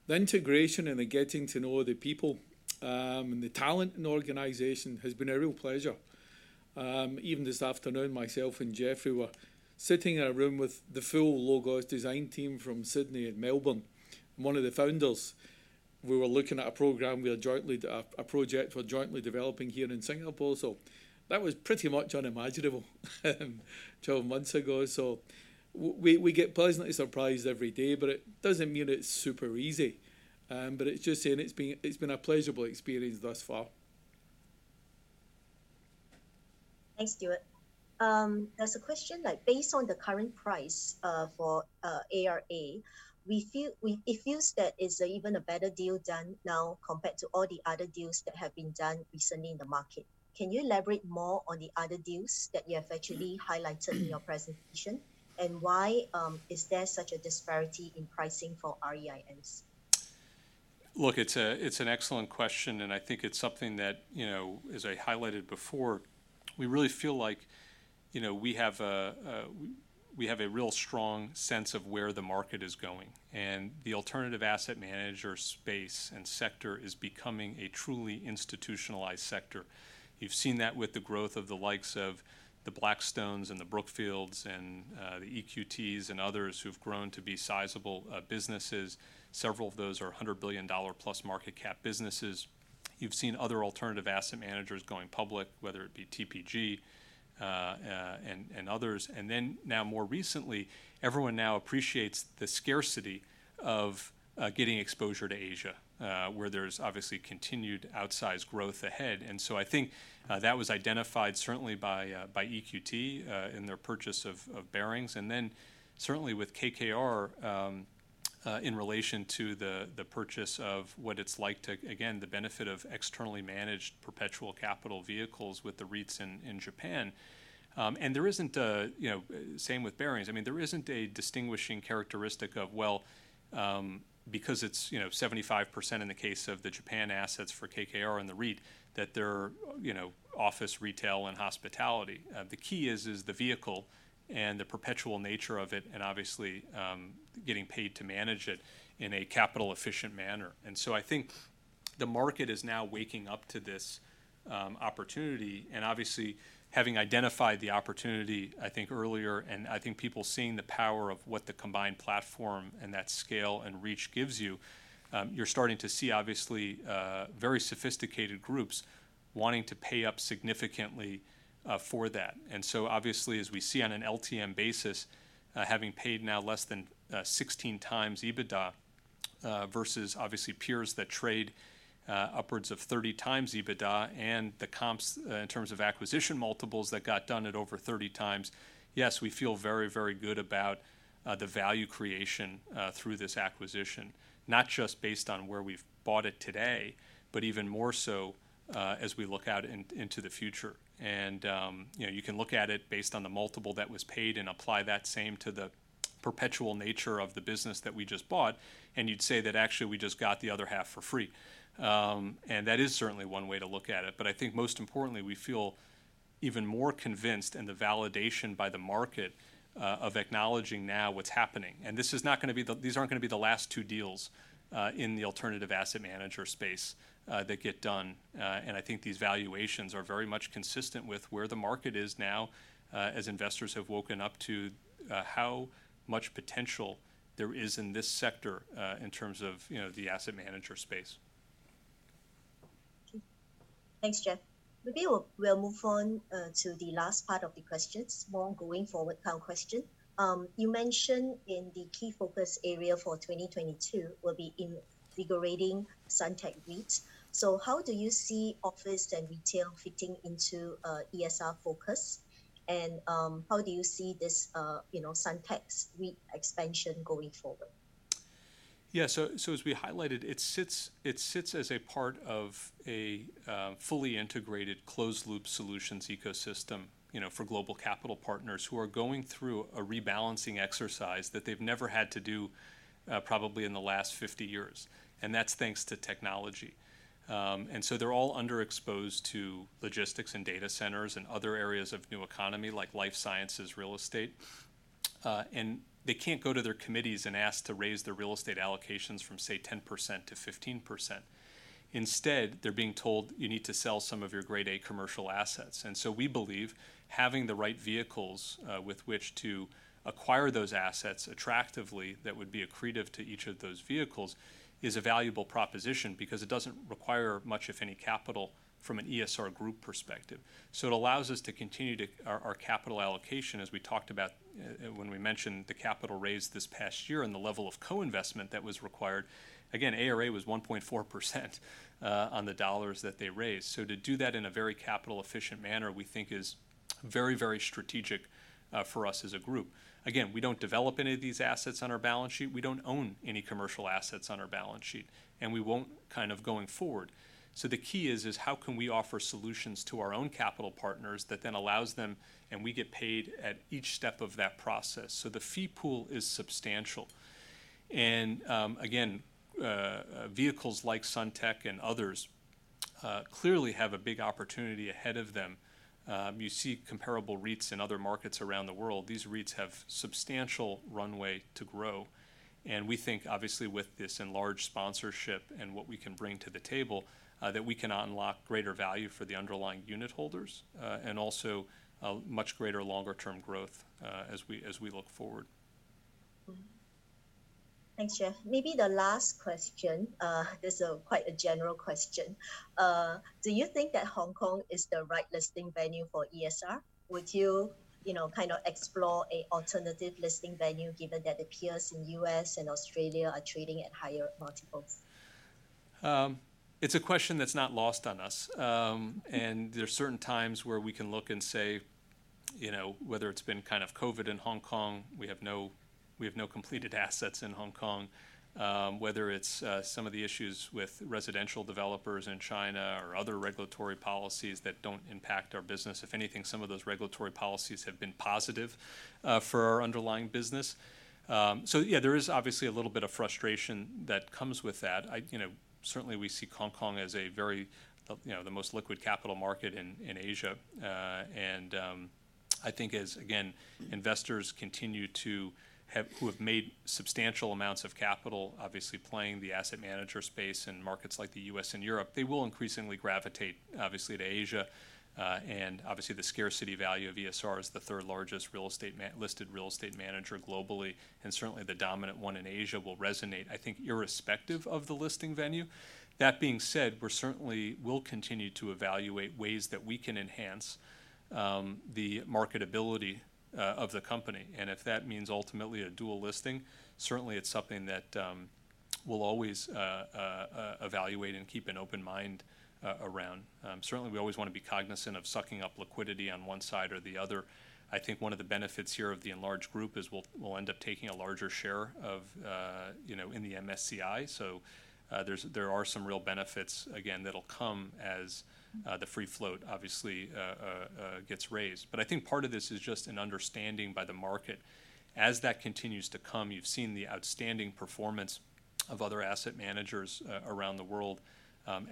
the integration and the getting to know the people, and the talent and organization has been a real pleasure. Even this afternoon, myself and Jeffrey were sitting in a room with the full LOGOS design team from Sydney and Melbourne. One of the founders, we were looking at a project we're jointly developing here in Singapore. That was pretty much unimaginable 12 months ago. We get pleasantly surprised every day, but it doesn't mean it's super easy. It's just saying it's been a pleasurable experience thus far. Thanks, Stuart. There's a question like, based on the current price for ARA, we feel it feels that it's even a better deal done now compared to all the other deals that have been done recently in the market. Can you elaborate more on the other deals that you have actually highlighted in your presentation? And why is there such a disparity in pricing for REITs? Look, it's an excellent question, and I think it's something that, you know, as I highlighted before, we really feel like, you know, we have a real strong sense of where the market is going, and the alternative asset manager space and sector is becoming a truly institutionalized sector. You've seen that with the growth of the likes of Blackstone and Brookfield and the EQT and others who've grown to be sizable businesses. Several of those are $100+ billion market cap businesses. You've seen other alternative asset managers going public, whether it be TPG and others. Now more recently, everyone now appreciates the scarcity of getting exposure to Asia, where there's obviously continued outsized growth ahead. I think that was identified certainly by EQT in their purchase of Baring. Certainly with KKR in relation to the purchase of, again, the benefit of externally managed perpetual capital vehicles with the REITs in Japan. There isn't, you know, same with Baring. I mean, there isn't a distinguishing characteristic of, well, because it's, you know, 75% in the case of the Japan assets for KKR and the REIT, that they're, you know, office retail and hospitality. The key is the vehicle and the perpetual nature of it and obviously getting paid to manage it in a capital efficient manner. I think the market is now waking up to this opportunity, and obviously having identified the opportunity, I think earlier, and I think people seeing the power of what the combined platform and that scale and reach gives you're starting to see obviously, very sophisticated groups wanting to pay up significantly, for that. Obviously, as we see on an LTM basis, having paid now less than, 16x EBITDA, versus obviously peers that trade, upwards of 30x EBITDA and the comps, in terms of acquisition multiples that got done at over 30x. Yes, we feel very, very good about, the value creation, through this acquisition. Not just based on where we've bought it today, but even more so, as we look out into the future. You know, you can look at it based on the multiple that was paid and apply that same to the perpetual nature of the business that we just bought, and you'd say that actually we just got the other half for free. That is certainly one way to look at it. I think most importantly, we feel even more convinced in the validation by the market of acknowledging now what's happening. This is not gonna be. These aren't gonna be the last two deals in the alternative asset manager space that get done. I think these valuations are very much consistent with where the market is now as investors have woken up to how much potential there is in this sector in terms of, you know, the asset manager space. Okay. Thanks, Jeff. Maybe we'll move on to the last part of the questions. More going forward kind of question. You mentioned in the key focus area for 2022 will be invigorating Suntec REIT. How do you see office and retail fitting into ESR focus? And how do you see this, you know, Suntec's REIT expansion going forward? As we highlighted, it sits as a part of a fully integrated closed loop solutions ecosystem, you know, for global capital partners who are going through a rebalancing exercise that they've never had to do probably in the last 50 years. That's thanks to technology. They're all underexposed to logistics and data centers and other areas of New Economy like life sciences real estate. They can't go to their committees and ask to raise their real estate allocations from, say, 10%-15%. Instead, they're being told, "You need to sell some of your Grade A commercial assets." We believe having the right vehicles with which to acquire those assets attractively that would be accretive to each of those vehicles is a valuable proposition because it doesn't require much of any capital from an ESR Group perspective. It allows us to continue to our capital allocation, as we talked about, when we mentioned the capital raised this past year and the level of co-investment that was required. Again, ARA was 1.4% on the dollars that they raised. To do that in a very capital efficient manner, we think is very, very strategic for us as a group. Again, we don't develop any of these assets on our balance sheet. We don't own any commercial assets on our balance sheet, and we won't kind of going forward. The key is how can we offer solutions to our own capital partners that then allows them, and we get paid at each step of that process. The fee pool is substantial. Again, vehicles like Suntec and others clearly have a big opportunity ahead of them. You see comparable REITs in other markets around the world. These REITs have substantial runway to grow, and we think obviously with this enlarged sponsorship and what we can bring to the table that we can unlock greater value for the underlying unitholders, and also a much greater longer term growth as we look forward. Thanks, Jeff. Maybe the last question, this is quite a general question. Do you think that Hong Kong is the right listing venue for ESR? Would you know, kind of explore an alternative listing venue given that the peers in the U.S. and Australia are trading at higher multiples? It's a question that's not lost on us. There are certain times where we can look and say, you know, whether it's been kind of COVID in Hong Kong, we have no completed assets in Hong Kong, whether it's some of the issues with residential developers in China or other regulatory policies that don't impact our business. If anything, some of those regulatory policies have been positive for our underlying business. So yeah, there is obviously a little bit of frustration that comes with that. You know, certainly we see Hong Kong as a very, you know, the most liquid capital market in Asia. I think, again, investors who have made substantial amounts of capital, obviously playing the asset manager space in markets like the U.S. and Europe, they will increasingly gravitate obviously to Asia. Obviously the scarcity value of ESR as the third largest listed real estate manager globally, and certainly the dominant one in Asia will resonate, I think, irrespective of the listing venue. That being said, we'll continue to evaluate ways that we can enhance the marketability of the company. If that means ultimately a dual listing, certainly it's something that we'll always evaluate and keep an open mind around. Certainly we always wanna be cognizant of sucking up liquidity on one side or the other. I think one of the benefits here of the enlarged group is we'll end up taking a larger share of, you know, in the MSCI. There are some real benefits again, that'll come as the free float obviously gets raised. I think part of this is just an understanding by the market. As that continues to come, you've seen the outstanding performance of other asset managers around the world.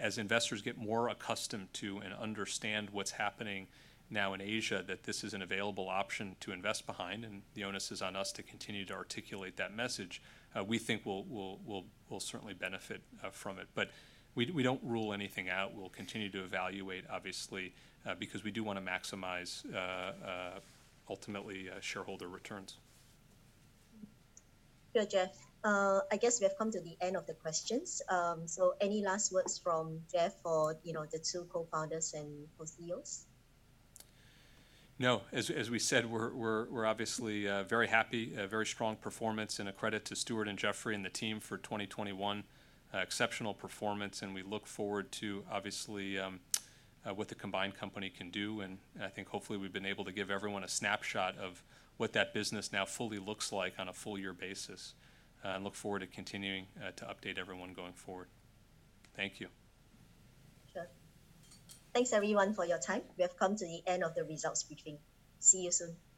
As investors get more accustomed to and understand what's happening now in Asia, that this is an available option to invest behind, and the onus is on us to continue to articulate that message, we think we'll certainly benefit from it. We don't rule anything out. We'll continue to evaluate, obviously, because we do wanna maximize ultimately shareholder returns. Sure, Jeff. I guess we have come to the end of the questions. Any last words from Jeff or, you know, the two co-founders and Co-CEOs? No. As we said, we're obviously very happy, a very strong performance and a credit to Stewart and Jeffrey and the team for 2021. Exceptional performance, and we look forward to, obviously, what the combined company can do. I think hopefully we've been able to give everyone a snapshot of what that business now fully looks like on a full year basis, and look forward to continuing to update everyone going forward. Thank you. Sure. Thanks everyone for your time. We have come to the end of the results briefing. See you soon.